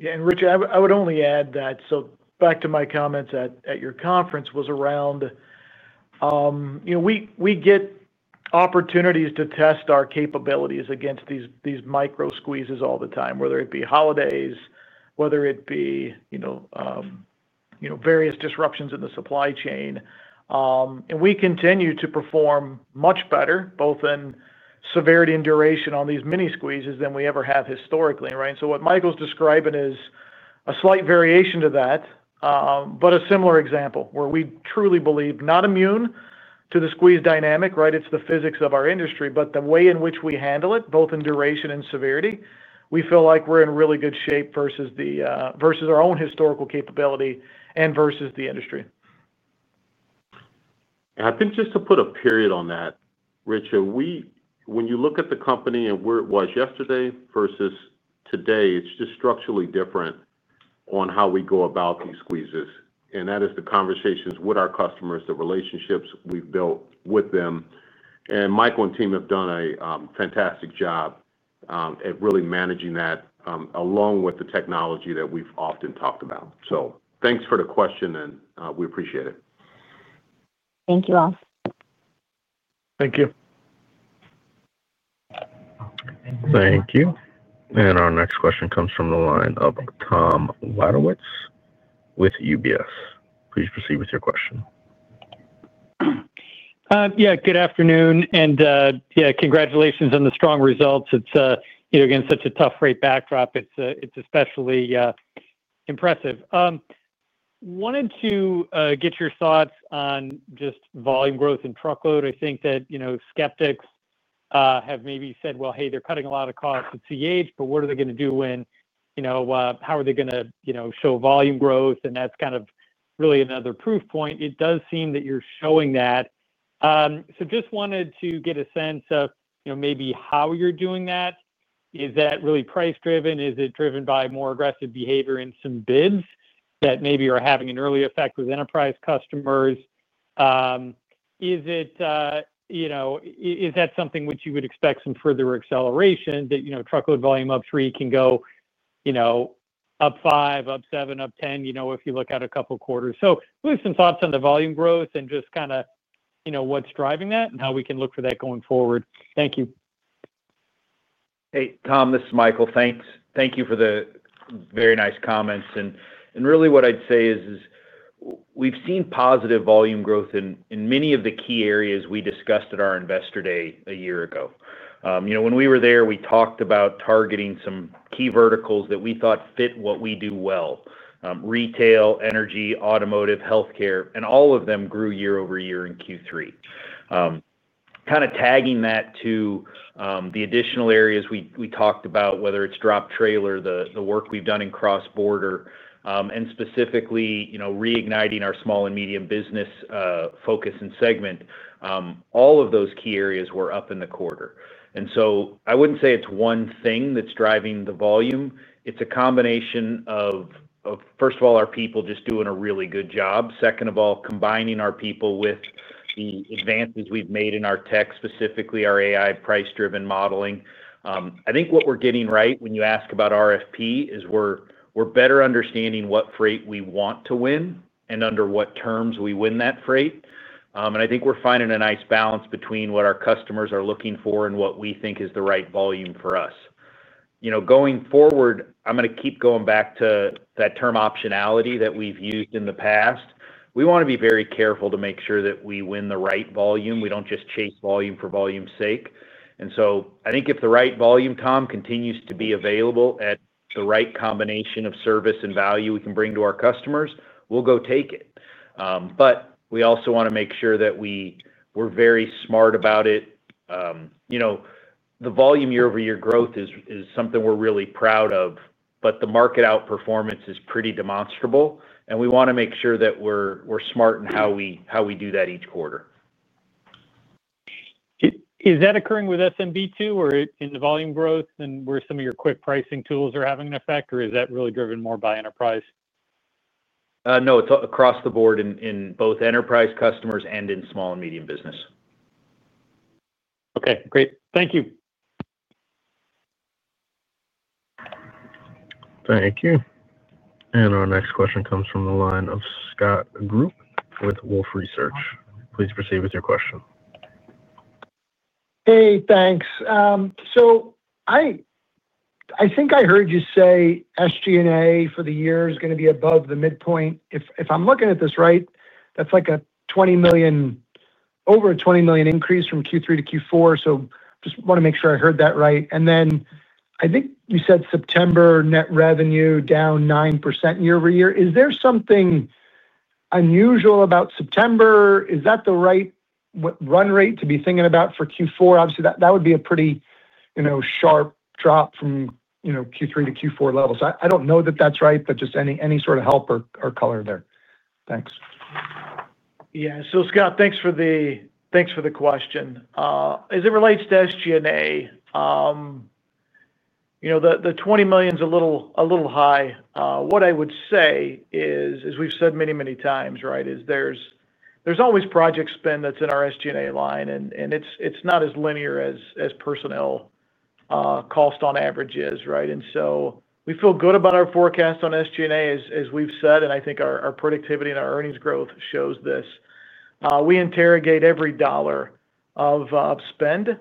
Richa, I would only add that back to my comments at your conference was around we get opportunities to test our capabilities against these micro squeezes all the time, whether it be holidays, whether it be various disruptions in the supply chain, and we continue to perform much better both in severity and duration on these mini squeezes than we ever have historically. What Michael's describing is slight variation to that, but a similar example where we truly believe not immune to the squeeze dynamic. Right. It's the physics of our industry, but the way in which we handle it, both in duration and severity, we feel like we're in really good shape versus our own historical capability and versus the industry. I think just to put a period on that, Richa, when you look at the company and where it was yesterday versus today, it's just structurally different on how we go about these squeezes. That is the conversations with our customers, the relationships we've built with them. Michael and team have done a fantastic job at really managing that along with the technology that we've often talked about. Thanks for the question and we appreciate it. Thank you all. Thank you. Thank you. Our next question comes from the line of Tom Wadewitz with UBS. Please proceed with your question. Good afternoon. Congratulations on the strong results. It's, again, such a tough rate backdrop. It's especially impressive. Wanted to get your thoughts on just volume growth and truckload. I think that skeptics have maybe said, well, hey, they're cutting a lot of costs at C.H. Robinson, but what are they going to do when, how are they going to show volume growth? That's kind of really another proof point. It does seem that you're showing that. Just wanted to get a sense of maybe how you're doing that. Is that really price driven? Is it driven by more aggressive behavior in some bids that maybe are having an early effect with enterprise customers? Is that something which you would expect some further acceleration, that, you know, truckload volume up 3% can go up 5%, up 7%, up 10%, if you look at a couple quarters? With some thoughts on the volume growth and just kind of what's driving that and how we can look for that going forward. Thank you. Hey Tom, this is Michael. Thank you for the very nice comments. What I'd say is we've seen positive volume growth in many of the key areas we discussed at our investor day a year ago. When we were there, we talked about targeting some key verticals that we thought fit what we do well: retail, energy, automotive, healthcare, and all of them grew year-over-year in Q3. Tagging that to the additional areas we talked about, whether it's drop trailer, the work we've done in cross border, and specifically reigniting our small and medium business focus and segment, all of those key areas were up in the quarter. I wouldn't say it's one thing that's driving the volume. It's a combination of, first of all, our people just doing a really good job. Second, combining our people with the advances we've made in our tech, specifically our AI price driven modeling. I think what we're getting right when you ask about RFP is we're better understanding what freight we want to win and under what terms we win that freight. I think we're finding a nice balance between what our customers are looking for and what we think is the right volume for us going forward. I'm going to keep going back to that term optionality that we've used in the past. We want to be very careful to make sure that we win the right volume. We don't just chase volume for volume's sake. I think if the right volume, Tom, continues to be available at the right combination of service and value we can bring to our customers, we'll go take it. We also want to make sure that we're very smart about it. The volume year-over-year growth is something we're really proud of, but the market outperformance is pretty demonstrable. We want to make sure that we're smart in how we do that each quarter. Is that occurring with SMB2 or in the volume growth, and where some of your quick pricing tools are having a factor or is that really driven more by enterprise? No, it's across the board in both enterprise customers and in small and medium business. Okay, great. Thank you. Thank you. Our next question comes from the line of Scott Group with Wolfe Research. Please proceed with your question. Thanks so much. I think I heard you say SG&A for the year is going to be above the midpoint. If I'm looking at this right, that's like a $20 million, over $20 million increase from Q3 to Q4. Just want to make sure I heard that right. I think you said September net revenue down 9% year-over-year. Is there something unusual about September? Is that the right run rate to be thinking about for Q4? Obviously, that would be a pretty sharp drop from Q3 to Q4 levels. I don't know that that's right, but just any sort of helper or color there. Thanks. Yeah, Scott, thanks for the question. As it relates to SG&A, the $20 million is a little high. What I would say is, as we've said many times, there's always project spend that's in our SG&A line, and it's not as linear as personnel cost on average is. Right. We feel good about our forecast on SG&A, as we've said, and I think our productivity and our earnings growth shows this. We interrogate every dollar of spend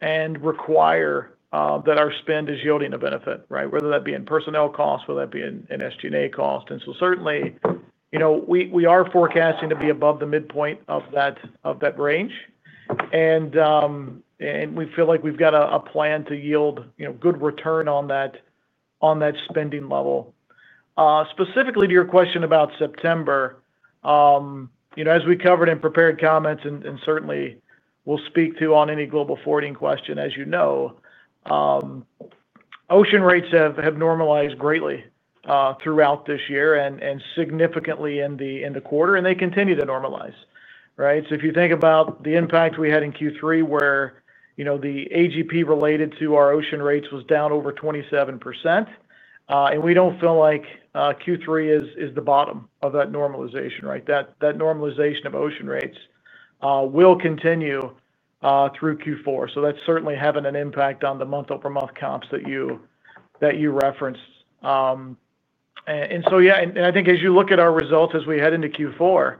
and require that our spend is yielding a benefit, whether that be in personnel costs or in SG&A cost. We are forecasting to be above the midpoint of that range, and we feel like we've got a plan to yield good return on that spending level. Specifically to your question about September, as we covered in prepared comments and certainly we'll speak to on any global forwarding question, as you know, ocean rates have normalized greatly throughout this year and significantly in the quarter, and they continue to normalize. If you think about the impact we had in Q3, where the AGP related to our ocean rates was down over 27%, we don't feel like Q3 is the bottom of that normalization. That normalization of ocean rates will continue through Q4. That is certainly having an impact on the month-over-month comps that you referenced. As you look at our results as we head into Q4,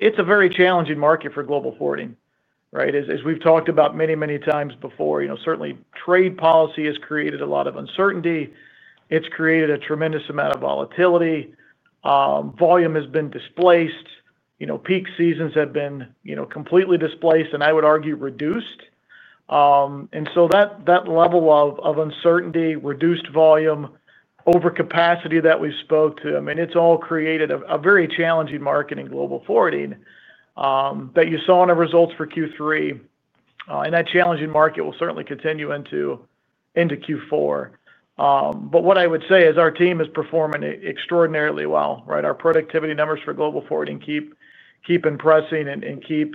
it's a very challenging market for global forwarding, as we've talked about many times before. Trade policy has created a lot of uncertainty. It's created a tremendous amount of volatility. Volume has been displaced, peak seasons have been completely displaced, and I would argue reduced. That level of uncertainty, reduced volume, and overcapacity that we spoke to has all created a very challenging market in global forwarding that you saw in our results for Q3. That challenging market will certainly continue into Q4, but what I would say is our team is performing extraordinarily well. Right. Our productivity numbers for global forwarding keep impressing and keep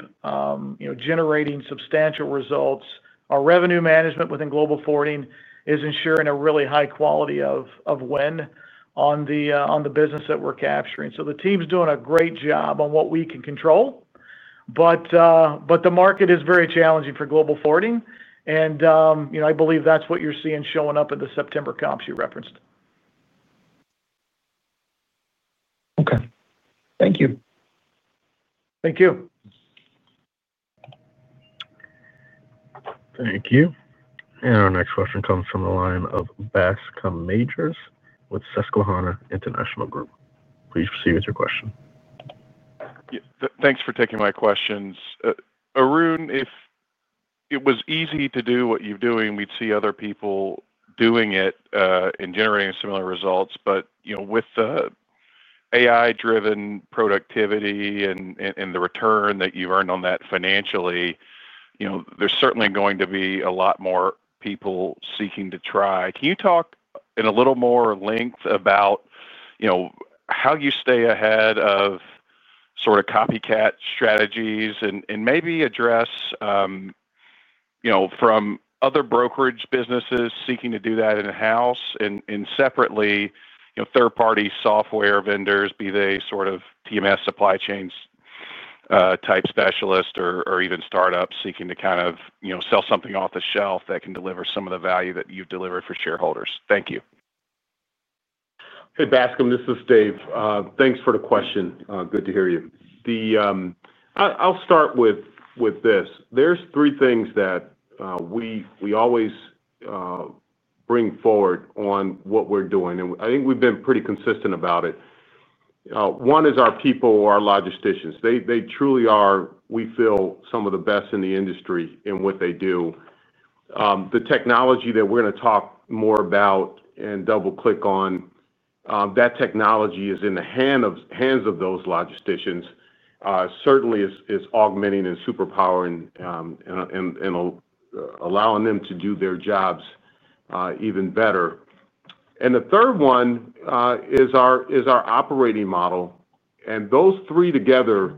generating substantial results. Our revenue management within global forwarding is ensuring a really high quality of win on the business that we're capturing. The team's doing a great job on what we can control. The market is very challenging for global forwarding and I believe that's what you're seeing showing up at the September comps you referenced. Okay, thank you. Thank you. Thank you. Our next question comes from the line of Bascome Majors with Susquehanna.Please proceed with your question. Thanks for taking my questions, Arun. If it was easy to do what you're doing, we'd see other people doing it and generating similar results. With the AI-driven productivity and the return that you earned on that financially, there's certainly going to be a lot more people seeking to try. Can you talk in a little more length about how you stay ahead of sort of copycat strategies and maybe address from other brokerage businesses seeking to do that in house and separately, third party software vendors, be they sort of TMS, supply chain type specialists or even startups seeking to kind of sell something off the shelf that can deliver some of the value that you've delivered for shareholders. Thank you. Hey, Bascome, this is Dave. Thanks for the question. Good to hear you. I'll start with this. There's three things that we always bring forward on what we're doing, and I think we've been pretty consistent about it. One is our people or our logisticians. They truly are, we feel, some of the best in the industry in what they do. The technology that we're going to talk more about and double click on, that technology is in the hands of those logisticians. It certainly is augmenting and superpowering and allowing them to do their jobs even better. The third one is our operating model. Those three together,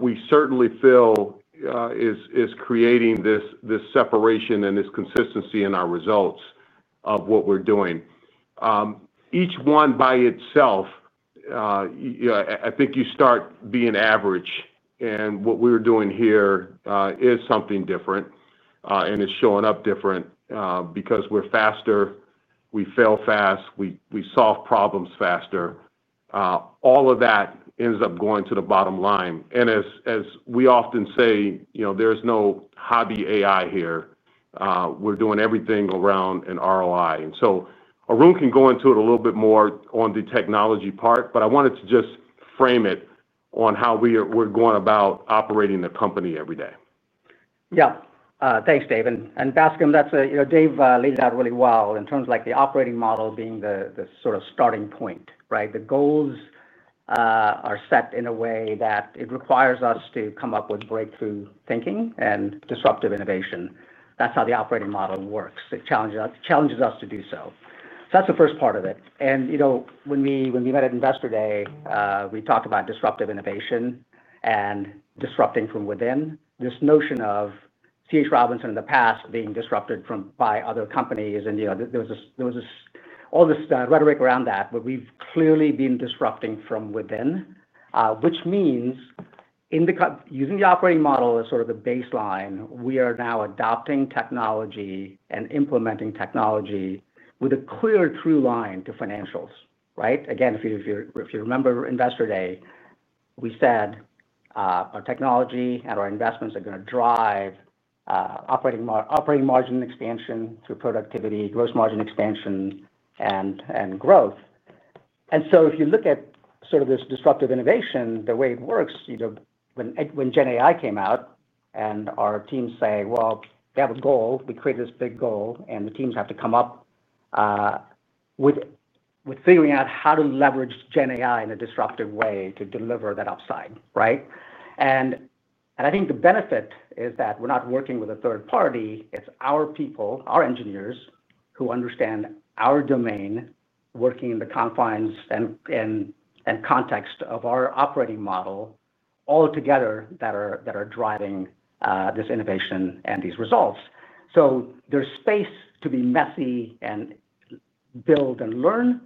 we certainly feel, are creating this separation and this consistency in our results of what we're doing. Each one by itself, I think you start being average, and what we are doing here is something different. It's showing up different because we're faster, we fail fast, we solve problems faster. All of that ends up going to the bottom line. As we often say, there's no hobby AI here. We're doing everything around an ROI. Arun can go into it a little bit more on the technology part, but I wanted to just frame it on how we're going about operating the company every day. Yeah, thanks, Dave. Bascome, Dave laid it out really well in terms of the operating model being the sort of starting point. The goals are set in a way that requires us to come up with breakthrough thinking and disruptive innovation. That's how the operating model works. It challenges us to do so. That's the first part of it. When we met at Investor Day, we talked about disruptive innovation and disrupting from within. This notion of C.H. Robinson in the past being disrupted by other companies, there was all this rhetoric around that. We've clearly been disrupting from within, which means using the operating model as the baseline, we are now adopting technology and implementing technology with a clear through line to financials. If you remember Investor Day, we said our technology and our investments are going to drive operating margin expansion through productivity, gross margin expansion, and growth. If you look at this disruptive innovation, the way it works, when Gen AI came out and our teams have a goal, we create this big goal and the teams have to figure out how to leverage Gen AI in a disruptive way to deliver that upside. I think the benefit is that we're not working with a third party. It's our people, our engineers, who understand our domain, working in the confines and context of our operating model altogether that are driving this innovation and these results. There's space to be messy and build and learn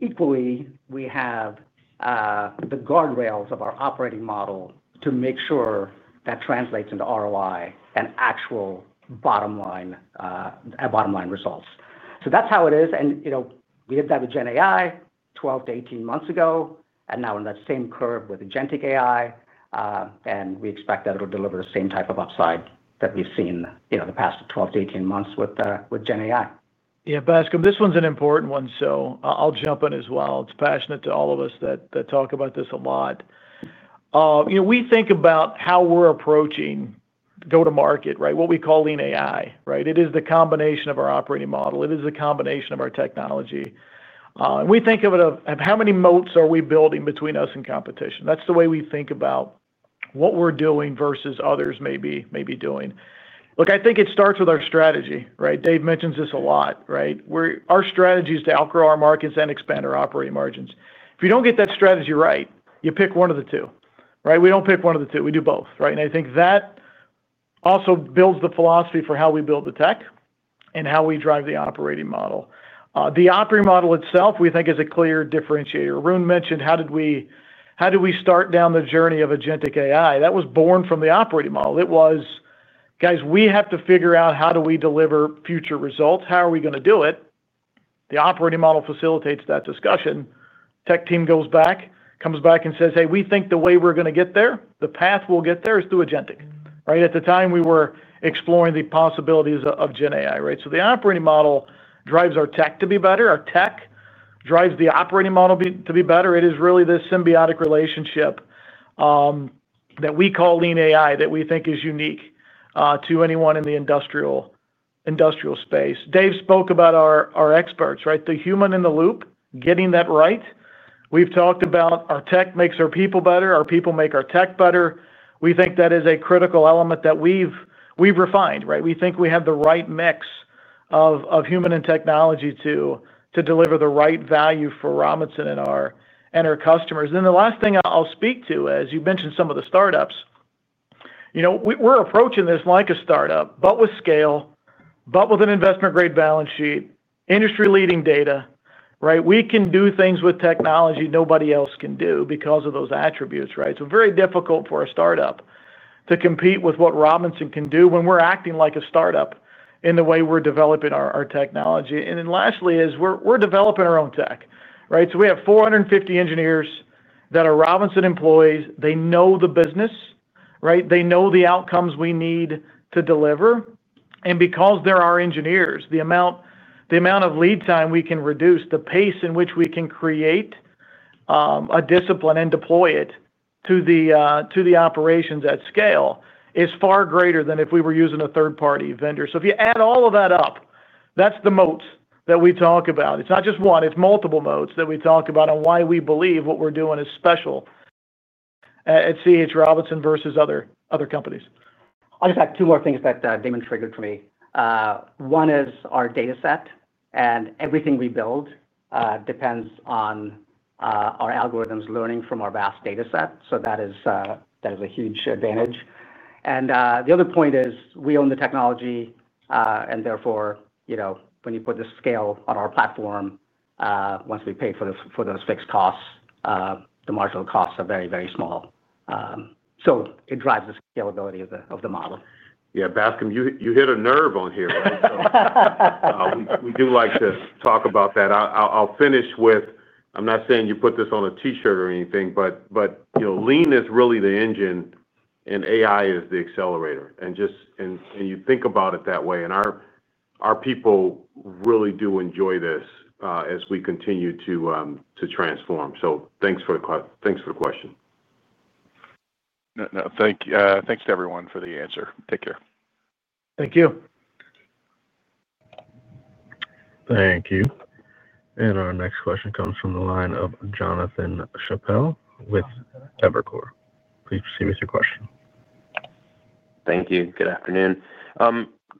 equally. We have the guardrails of our operating model to make sure that translates into ROI and actual bottom line results. That's how it is. We did that with Gen AI 12 to 18 months ago and now are in that same curve with Agentic AI. We expect that it will deliver the same type of upside that we've seen the past 12 to 18 months with Gen AI. Yeah, Bascome, this one's an important one, so I'll jump in as well. It's passionate to all of us that talk about this a lot. We think about how we're approaching go to market, what we call Lean AI. It is the combination of our operating model. It is a combination of our technology. We think of it, how many moats are we building between us and competition? That's the way we think about what we're doing versus others may be doing. I think it starts with our strategy. Dave mentions this a lot. Our strategy is to outgrow our markets and expand our operating margins. If you don't get that strategy right, you pick one of the two. We don't pick one of the two, we do both. I think that also builds the philosophy for how we build the tech and how we drive the operating model. The operating model itself, we think, is a clear differentiator. Arun mentioned how did we start down the journey of Agentic AI that was born from the operating model? It was, guys, we have to figure out how do we deliver future results, how are we going to do it? The operating model facilitates that discussion. Tech team goes back, comes back and says, hey, we think the way we're going to get there, the path we'll get there is through Agentic. At the time we were exploring the possibilities of Gen AI. The operating model drives our tech to be better. Our tech drives the operating model to be better. It is really this symbiotic relationship that we call Lean AI that we think is unique to anyone in the industrial space. Dave spoke about our experts, the human in the loop, getting that right. We've talked about our tech makes our people better, our people make our tech better. We think that is a critical element that we've refined. We think we have the right mix of human and technology to deliver the right value for Robinson and our customers. The last thing I'll speak to, as you mentioned, some of the startups, we're approaching this like a startup, but with scale, but with an investment grade balance sheet, industry leading data. We can do things with technology nobody else can do because of those attributes. It is very difficult for a startup to compete with what Robinson can do when we're acting like a startup in the way we're developing our technology. Lastly, we're developing our own tech. We have 450 engineers that are Robinson employees. They know the business. They know the outcomes we need to deliver. Because they're our engineers, the amount of lead time we can reduce, the pace in which we can create a discipline and deploy it to the operations at scale is far greater than if we were using a third-party vendor. If you add all of that up, that's the moat that we talk about. It's not just one, it's multiple moats that we talk about and why we believe what we're doing is special at C.H. Robinson versus other companies. I'll just add two more things that Damon triggered for me. One is our data set. Everything we build depends on our algorithms learning from our vast data set, so that is a huge advantage. The other point is we own the technology, and therefore when you put the scale on our platform, once we pay for those fixed costs, the marginal costs are very, very small. It drives the scalability of the model. Yeah, Bascome, you hit a nerve on here. We do like to talk about that. I'll finish with, I'm not saying you put this on a T-shirt or anything, but you know, Lean is really the engine and AI is the accelerator. And just. You think about it that way. Our people really do enjoy this as we continue to transform. Thanks for the question. No, thank you. Thanks to everyone for the answer. Take care. Thank you. Thank you. Our next question comes from the line of Jonathan Chappell with Evercore ISI. Please proceed with your question. Thank you. Good afternoon.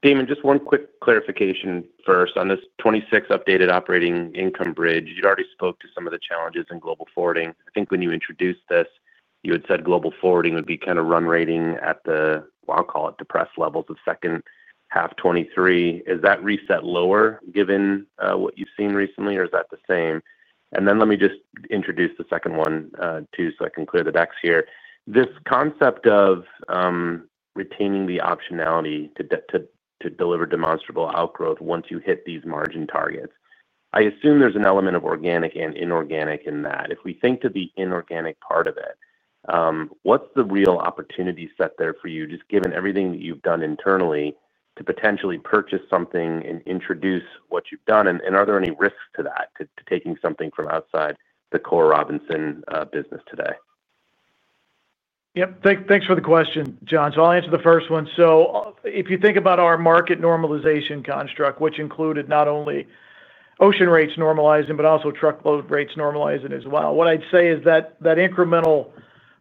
Damon, just one quick clarification first. On this 26 updated operating income bridge, you already spoke to some of the challenges in global forwarding. I think when you introduced this, you had said global forwarding would be kind of run rating at the, I'll call it depressed levels of second half 2023. Is that reset lower given what you've seen recently? Is that the same? Let me introduce the second one too, so I can clear the decks here. This concept of retaining the optionality to deliver demonstrable outgrowth once you hit these margin targets. I assume there's an element of organic and inorganic in that. If we think to the inorganic part of it, what's the real opportunity set there for you? Just given everything that you've done internally to potentially purchase something and introduce what you've done. Are there any risks to that? To taking something from outside the core C.H. Robinson business today? Thanks for the question, Jon. I'll answer the first one. If you think about our market normalization construct, which included not only ocean rates normalizing, but also truckload rates normalizing as well, what I'd say is that incremental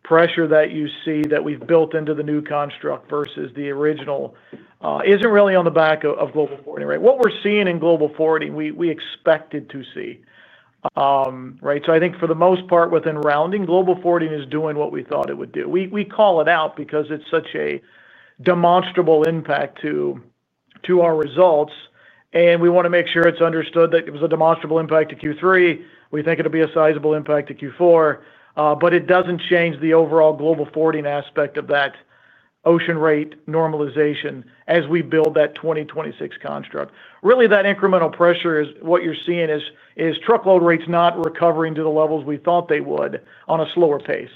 pressure that you see that we've built into the new construct versus the original isn't really on the back of global forwarding. Right. What we're seeing in global forwarding we expected to see. Right. I think for the most part within rounding, global forwarding is doing what we thought it would do. We call it out because it's such a demonstrable impact to our results, and we want to make sure it's understood that it was a demonstrable impact to Q3. We think it'll be a sizable impact to Q4, but it doesn't change the overall global forwarding aspect of that ocean rate normalization as we build that 2026 construct. Really that incremental pressure is what you're seeing is truckload rates not recovering to the levels we thought they would on a slower pace.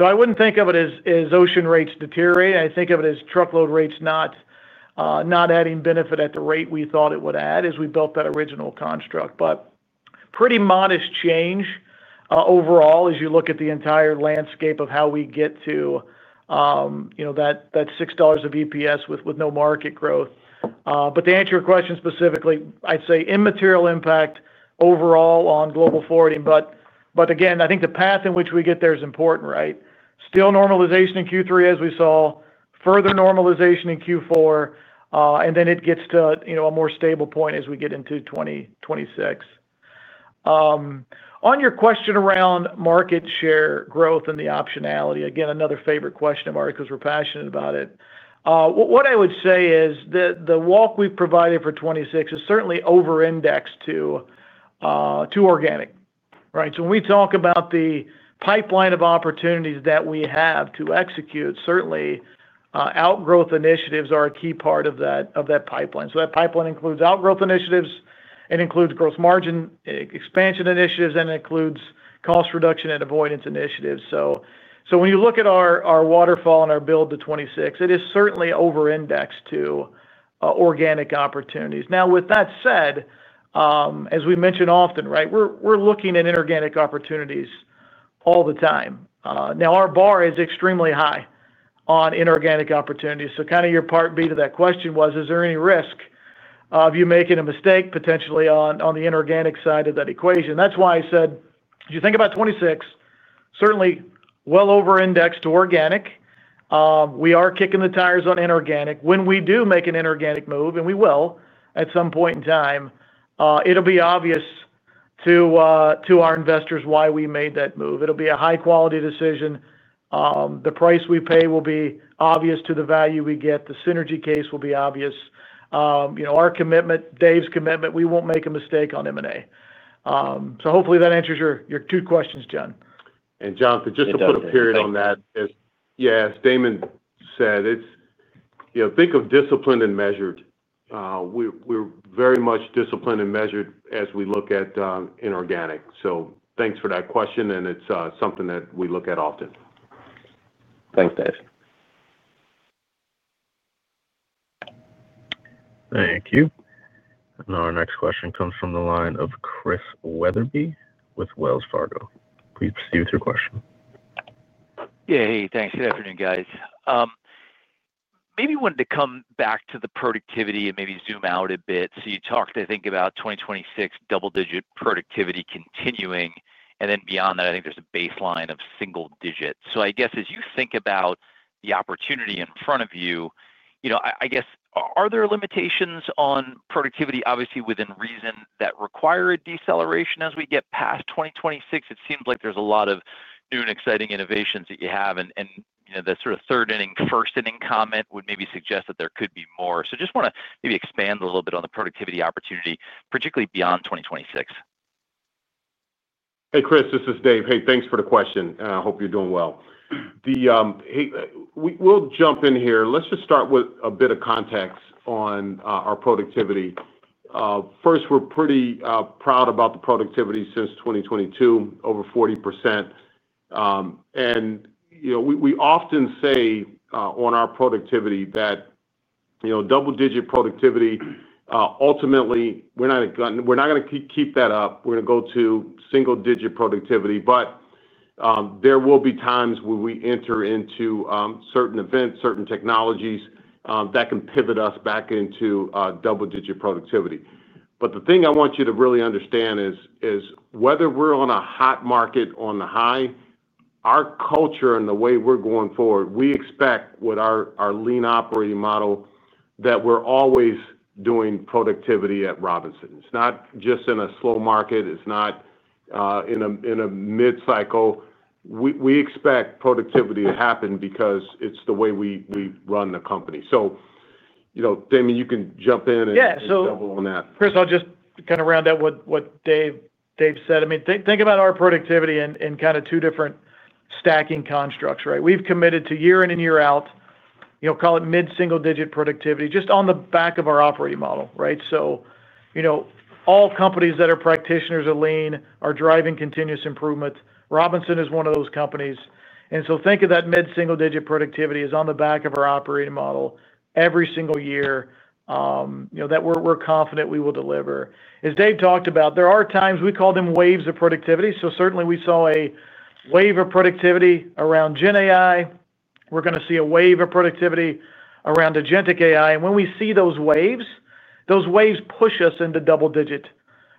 I wouldn't think of it as ocean rates deteriorating. I think of it as truckload rates not adding benefit at the rate we thought it would add as we built that original construct, but pretty modest change overall as you look at the entire landscape of how we get to that $6 of EPS with no market growth. To answer your question specifically, I'd say immaterial impact overall on global forwarding. Again, I think the path in which we get there is important still. Normalization in Q3 as we saw further normalization in Q4, and then it gets to a more stable point as we get into 2026. On your question around market share growth and the optionality, again another favorite question of ours, because we're passionate about it, what I would say is the walk we've provided for 2026 is certainly over indexed to organic. When we talk about the pipeline of opportunities that we have to execute, certainly outgrowth initiatives are a key part of that pipeline. That pipeline includes outgrowth initiatives and includes gross margin expansion initiatives and includes cost reduction and avoidance initiatives. When you look at our waterfall and our build to 2026, it is certainly over indexed to organic opportunities. Now with that said, as we mentioned often, we're looking at inorganic opportunities all the time. Now our bar is extremely high on inorganic opportunities. Kind of your part B to that question was is there any risk of you making a mistake potentially on the inorganic side of that equation? That's why I said you think about 2026. Certainly well over indexed to organic. We are kicking the tires on inorganic. When we do make an inorganic move and we will at some point in time, it'll be obvious to our investors why we made that move. It'll be a high quality decision. The price we pay will be obvious to the value we get. The synergy case will be obvious. You know, our commitment, Dave's commitment, we won't make a mistake on M&A. Hopefully that answers your two questions. John and Jonathan, just to put a period on that. Yes, Damon said it's, you know, think of disciplined and measured. We're very much disciplined and measured as we look at inorganic. Thanks for that question, and it's something that we look at often. Thanks, Dave. Thank you. Our next question comes from the line of Chris Wetherbee with Wells Fargo. Please proceed with your question. Yeah, hey, thanks. Good afternoon, guys. Maybe wanted to come back to the productivity and maybe zoom out a bit. You talked, I think, about 2026, double-digit productivity continuing, and then beyond that, I think there's a baseline of single digits. As you think about the opportunity in front of you, are there limitations on productivity, obviously within reason, that require a deceleration as we get past 2026? It seems like there's a lot of new and exciting innovations that you have, and the sort of third inning, first inning comment would maybe suggest that there could be more. I just want to maybe expand a little bit on the productivity opportunity, particularly beyond 2026. Hey Chris, this is Dave. Hey, thanks for the question. I hope you're doing well. We'll jump in here. Let's just start with a bit of context on our productivity first. We're pretty proud about the productivity since 2022, over 40%. You know, we often say on our productivity that, you know, double digit productivity, ultimately we're not going to keep that up. We're going to go to single digit productivity. There will be times when we enter into certain events, certain technologies that can pivot us back into double digit productivity. The thing I want you to really understand is whether we're on a hot market, on the high, our culture and the way we're going forward, we expect with our lean operating model that we're always doing productivity at Robinson. It's not just in a slow market, it's not in a mid cycle. We expect productivity to happen because it's the way we run the company. So Damon, you can jump in and double on that. Chris, I'll just kind of round out what Dave said. Think about our productivity in kind of two different stacking constructs, right? We've committed to year in and year out, call it mid single digit productivity just on the back of our operating model, right. All companies that are practitioners of lean are driving continuous improvement. Robinson is one of those companies. Think of that mid single digit productivity as on the back of our operating model every single year that we're confident we will deliver. As Dave talked about, there are times we call them waves of productivity. Certainly we saw a wave of productivity around gen AI. We're going to see a wave of productivity around Agentic AI. When we see those waves, those waves push us into double digit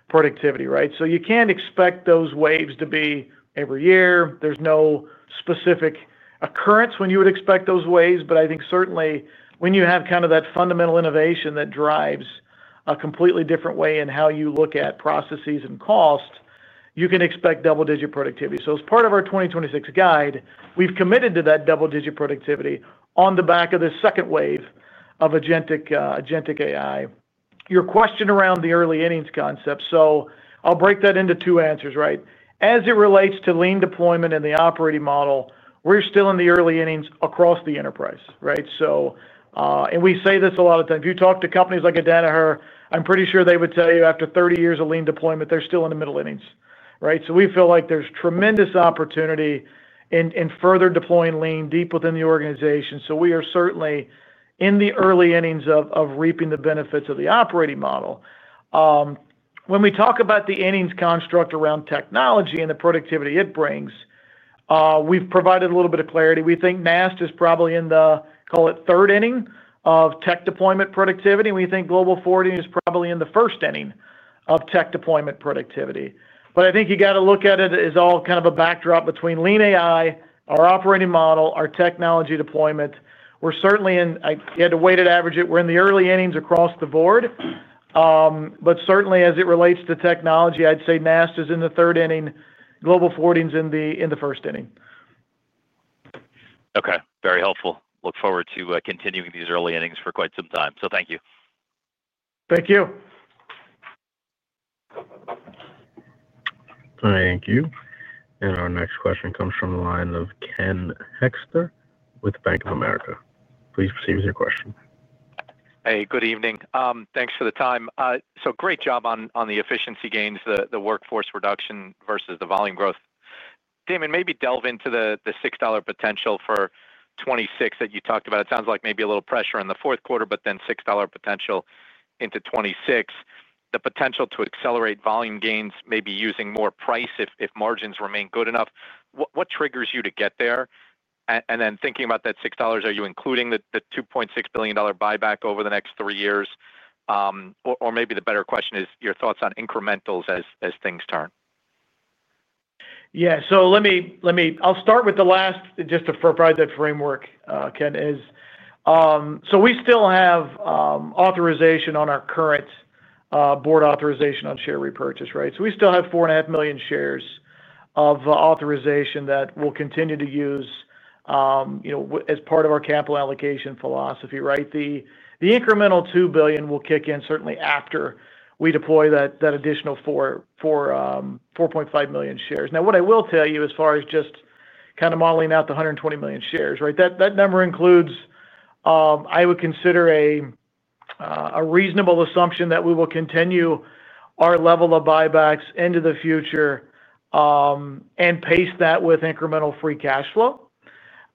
productivity, right? You can't expect those waves to be every year. There's no specific occurrence when you would expect those waves. I think certainly when you have kind of that fundamental innovation that drives a completely different way in how you look at processes and cost, you can expect double digit productivity. As part of our 2026 guide, we've committed to that double digit productivity on the back of the second wave of Agentic AI. Your question around the early innings concept, I'll break that into two answers, right? As it relates to lean deployment in the operating model, we're still in the early innings across the enterprise, right? We say this a lot of times, if you talk to companies like Danaher, I'm pretty sure they would tell you after 30 years of lean deployment, they're still in the middle innings, right? We feel like there's tremendous opportunity in further deploying lean deep within the organization. We are certainly in the early innings of reaping the benefits of the operating model. When we talk about the innings construct around technology and the productivity it brings, we've provided a little bit of clarity. We think NAST is probably in the, call it, third inning of tech deployment productivity. We think Global Forwarding is probably in the first inning of tech deployment productivity. I think you got to look at it as all kind of a backdrop between lean, AI, our operating model, our technology deployment. We're certainly in, if you had to weighted average it, we're in the early innings across the board. Certainly as it relates to technology, I'd say NAST is in the third inning, Global Forwarding is in the first inning. Okay, very helpful. I look forward to continuing these early innings for quite some time. Thank you. Thank you. Thank you. Our next question comes from the line of Ken Hoexter with Bank of America. Please proceed with your question. Hey, good evening. Thanks for the time. Great job on the efficiency gains. The workforce reduction versus the volume growth. Damon, maybe delve into the $6 potential for 2026 that you talked about. It sounds like maybe a little pressure in the fourth quarter, but then $6 potential into 2026, the potential to accelerate volume gains, maybe using more price if margins remain good enough. What triggers you to get there? Thinking about that $6, are you including the $2.6 billion buyback over the next three years? Maybe the better question is your thoughts on incrementals as things turn. Yeah, let me start with the last, just to provide that framework. Ken, we still have authorization on our current board authorization on share repurchase, right. We still have 4.5 million shares of authorization that we'll continue to use as part of our capital allocation philosophy. The incremental $2 billion will kick in certainly after we deploy that additional 4.5 million shares. What I will tell you as far as just kind of modeling out the 120 million shares, that number includes, I would consider, a reasonable assumption that we will continue our level of buybacks into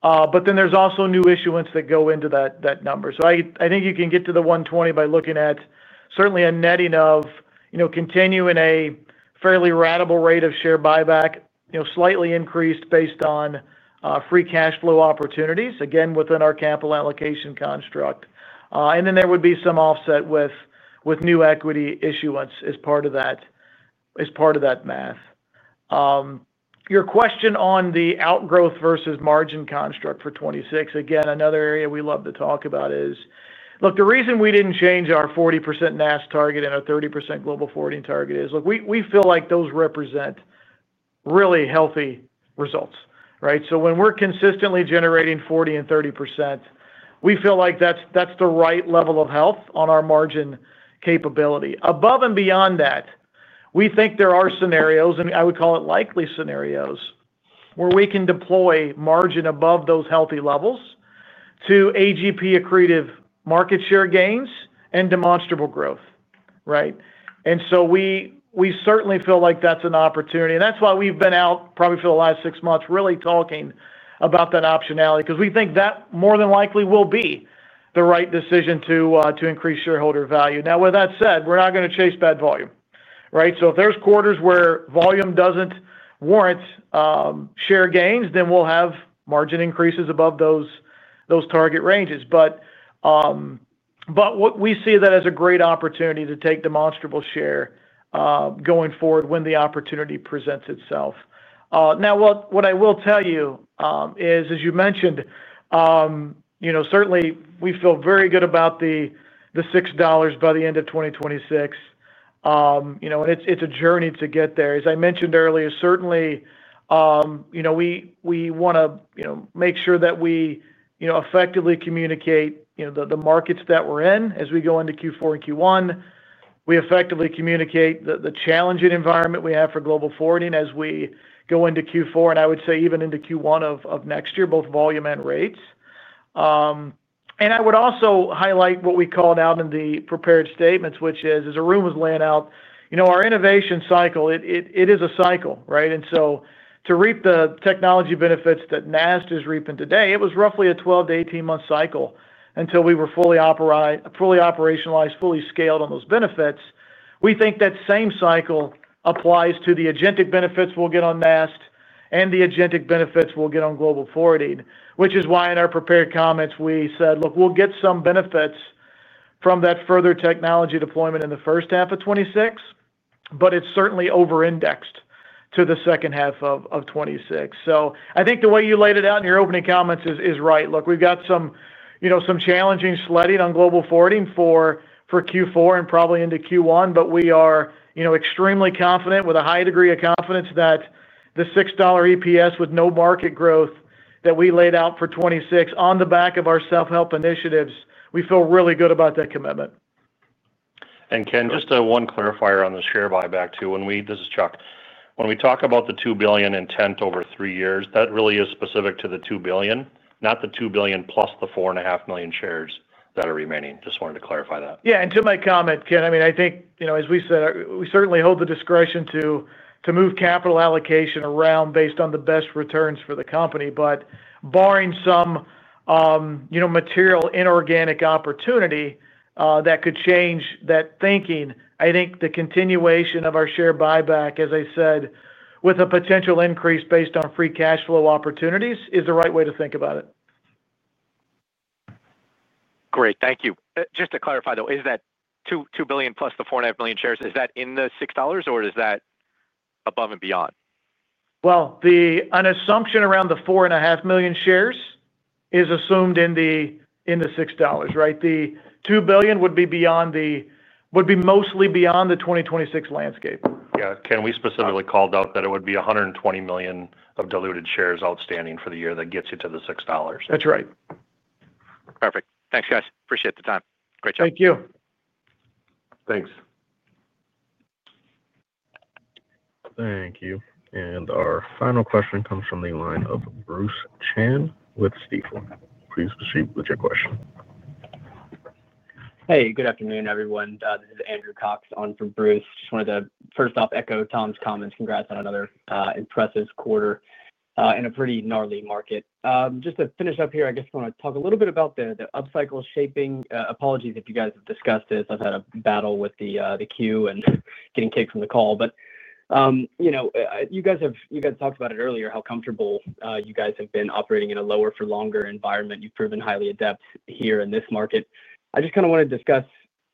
the future and pace that with incremental free cash flow. There is also new issuance that goes into that number. I think you can get to the 120 by looking at certainly a netting of continuing a fairly ratable rate of share buyback, slightly increased based on free cash flow opportunities, again within our capital allocation construction. There would be some offset with new equity issuance as part of that math. Your question on the outgrowth versus margin construct for 2026, another area we love to talk about is, the reason we didn't change our 40% NAST target and our 30% global forwarding target is, we feel like those represent really healthy results, right? When we're consistently generating 40% and 30%, we feel like that's the right level of health on our margin capability. Above and beyond that, we think there are scenarios, and I would call it likely scenarios, where we can deploy margin above those healthy levels to AGP-accretive market share gains and demonstrable growth. We certainly feel like that's an opportunity and that's why we've been out probably for the last six months really talking about that optionality because we think that more than likely will be the right decision to increase shareholder value. With that said, we're not going to chase bad volume, right? If there's quarters where volume doesn't warrant share gains, then we'll have margin increases above those target ranges. We see that as a great opportunity to take demonstrable share going forward when the opportunity presents itself. What I will tell you is, as you mentioned, we feel very good about the $6 by the end of 2026. It's a journey to get there. As I mentioned earlier, we want to make sure that we effectively communicate the markets that we're in as we go into Q4 and Q1. We effectively communicate the challenging environment we have for global forwarding as we go into Q4 and I would say even into Q1 of next year, both volume and rates. I would also highlight what we called out in the prepared statements, which is as Arun was laying out, you know, our innovation cycle, it is a cycle, right? To reap the technology benefits that NAST is reaping today, it was roughly a 12 to 18 month cycle until we were fully operationalized, fully scaled on those benefits. We think that same cycle applies to the Agentic benefits we'll get on NAST and the Agentic benefits we'll get on global forwarding, which is why in our prepared comments we said look, we'll get some benefits from that further technology deployment in 1H26, but it's certainly over indexed to 2H26. I think the way you laid it out in your opening comments is right. Look, we've got some, you know, some challenging sledding on global forwarding for Q4 and probably into Q1. We are extremely confident with a high degree of confidence that the $6 EPS with no market growth that we laid out for 2026 on the back of our self help initiatives, we feel really good about that commitment. Ken, just one clarifier on the share buyback too. This is Chuck. When we talk about the $2 billion intent over three years, that really is specific to the $2 billion, not the $2 billion plus the 4.5 million shares that are remaining. Just wanted to clarify that. Yeah. To my comment, Ken, I think, as we said, we certainly hold the discretion to move capital allocation around based on the best returns for the company, barring some material inorganic opportunity that could change that thinking. I think the continuation of our share buyback, as I said, with a potential increase based on free cash flow opportunities, is the right way to think about it. Great, thank you. Just to clarify though, is that $2 billion plus the 4.5 million shares, is that in the $6 or is that above and beyond? An assumption around the 4.5 million shares is assumed in the $6. The $2 billion would be mostly beyond the 2026 landscape. Yeah, Ken, we specifically called out that it would be 120 million of diluted shares outstanding for the year. That gets you to the $6. That's right. Perfect. Thanks, guys. Appreciate the time. Great job. Thank you. Thanks. Thank you. Our final question comes from the line of Bruce Chan with Stifel. Please proceed with your question. Hey, good afternoon, everyone. This is Andrew Cox on for Bruce. Just wanted to first off echo Tom's comments. Congrats on another impressive quarter in a pretty gnarly market. Just to finish up here, I guess I want to talk a little bit about the upcycle shaping. Apologies if you guys have discussed this. I've had a battle with the queue and getting kicked from the call. You guys talked about it earlier, how comfortable you guys have been operating in a lower, for longer environment. You've proven highly adept here in this market. I want to discuss,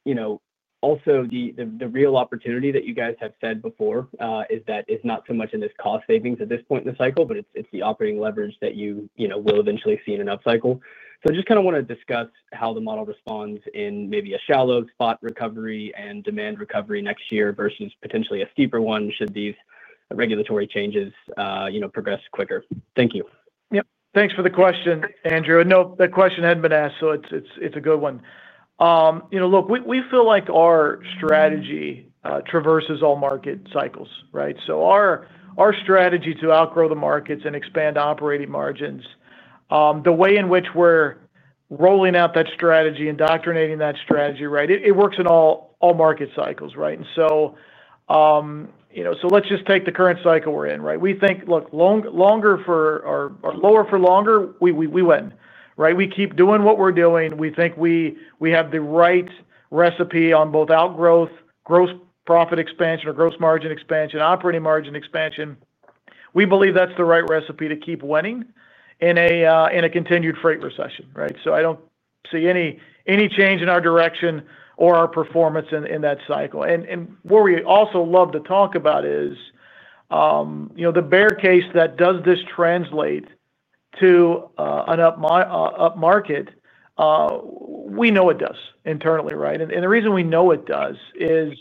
you know, also the real opportunity is that you guys have said before that it's not so much in this cost savings at this point in the cycle. It's the operating leverage that you will eventually see in an upcycle. I just kind of want to discuss how the model responds in maybe a shallow spot recovery and demand recovery next year versus potentially a steeper one should these regulatory changes progress quicker. Thank you. Thanks for the question, Andrew. No, that question hadn't been asked. It's a good one. Look, we feel like our strategy traverses all market cycles. Our strategy to outgrow the markets and expand operating margins, the way in which we're rolling out that strategy, indoctrinating that strategy, it works in all market cycles. Let's just take the current cycle we're in. We think we keep doing what we're doing. We think we have the right recipe on both outgrowth, gross profit expansion or gross margin expansion, operating margin expansion. We believe that's the right recipe to keep winning in a continued freight recession. I don't see any change in our direction or our performance in that cycle. What we also love to talk about is the bear case that does this translate to an upmarket. We know it does internally. The reason we know it does is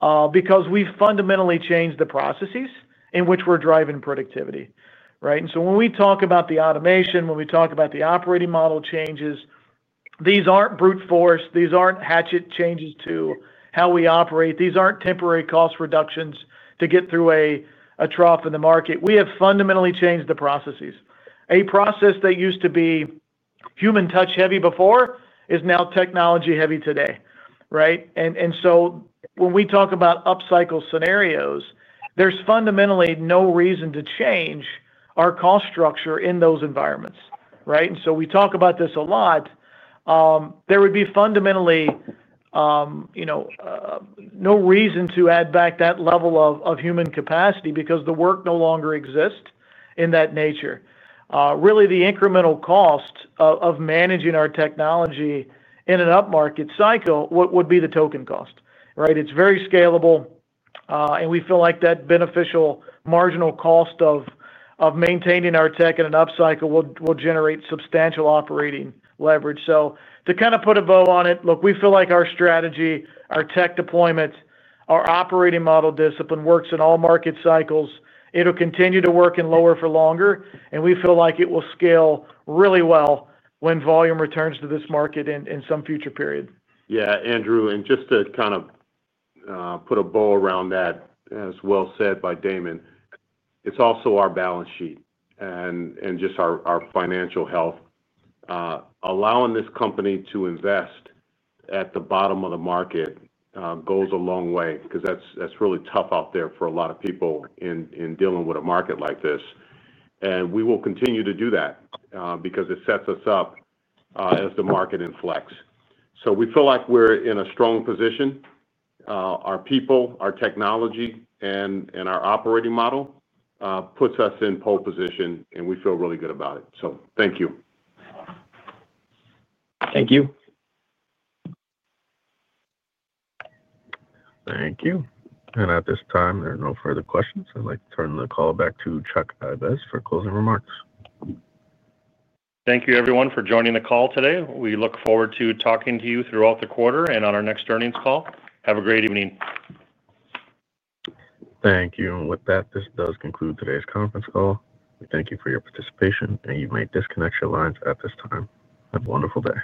because we fundamentally change the processes in which we're driving productivity. When we talk about the automation, when we talk about the operating model changes, these aren't brute force, these aren't hatchet changes to how we operate. These aren't temporary cost reductions to get through a trough in the market. We have fundamentally changed the processes. A process that used to be human touch heavy before is now technology heavy today. When we talk about upcycle scenarios, there's fundamentally no reason to change our cost structure in those environments. We talk about this a lot. There would be fundamentally no reason to add back that level of human capacity because the work no longer exists in that nature. The incremental cost of managing our technology in an upmarket cycle would be the token cost. It's very scalable. We feel like that beneficial marginal cost of maintaining our tech in an upcycle will generate substantial operating leverage. To kind of put a bow on it, we feel like our strategy, our tech deployment, our operating model discipline works in all market cycles. It'll continue to work and lower for longer, and we feel like it will scale really well when volume returns to this market in some future period. Yeah, Andrew. Just to kind of put a bow around that as well, as said by Damon, it's also our balance sheet and just our financial health. Allowing this company to invest at the bottom of the market goes a long way because that's really tough out there for a lot of people in dealing with a market like this. We will continue to do that because it sets us up as the market inflects. We feel like we're in a strong position. Our people, our technology, and our operating model put us in pole position and we feel really good about it. Thank you. Thank you. Thank you. At this time, there are no further questions. I'd like to turn the call back to Chuck Ives for closing remarks. Thank you, everyone, for joining the call today. We look forward to talking to you throughout the quarter and on our next earnings call. Have a great evening. Thank you. With that, this does conclude today's conference call. We thank you for your participation, and you may disconnect your lines at this time. Have a wonderful day.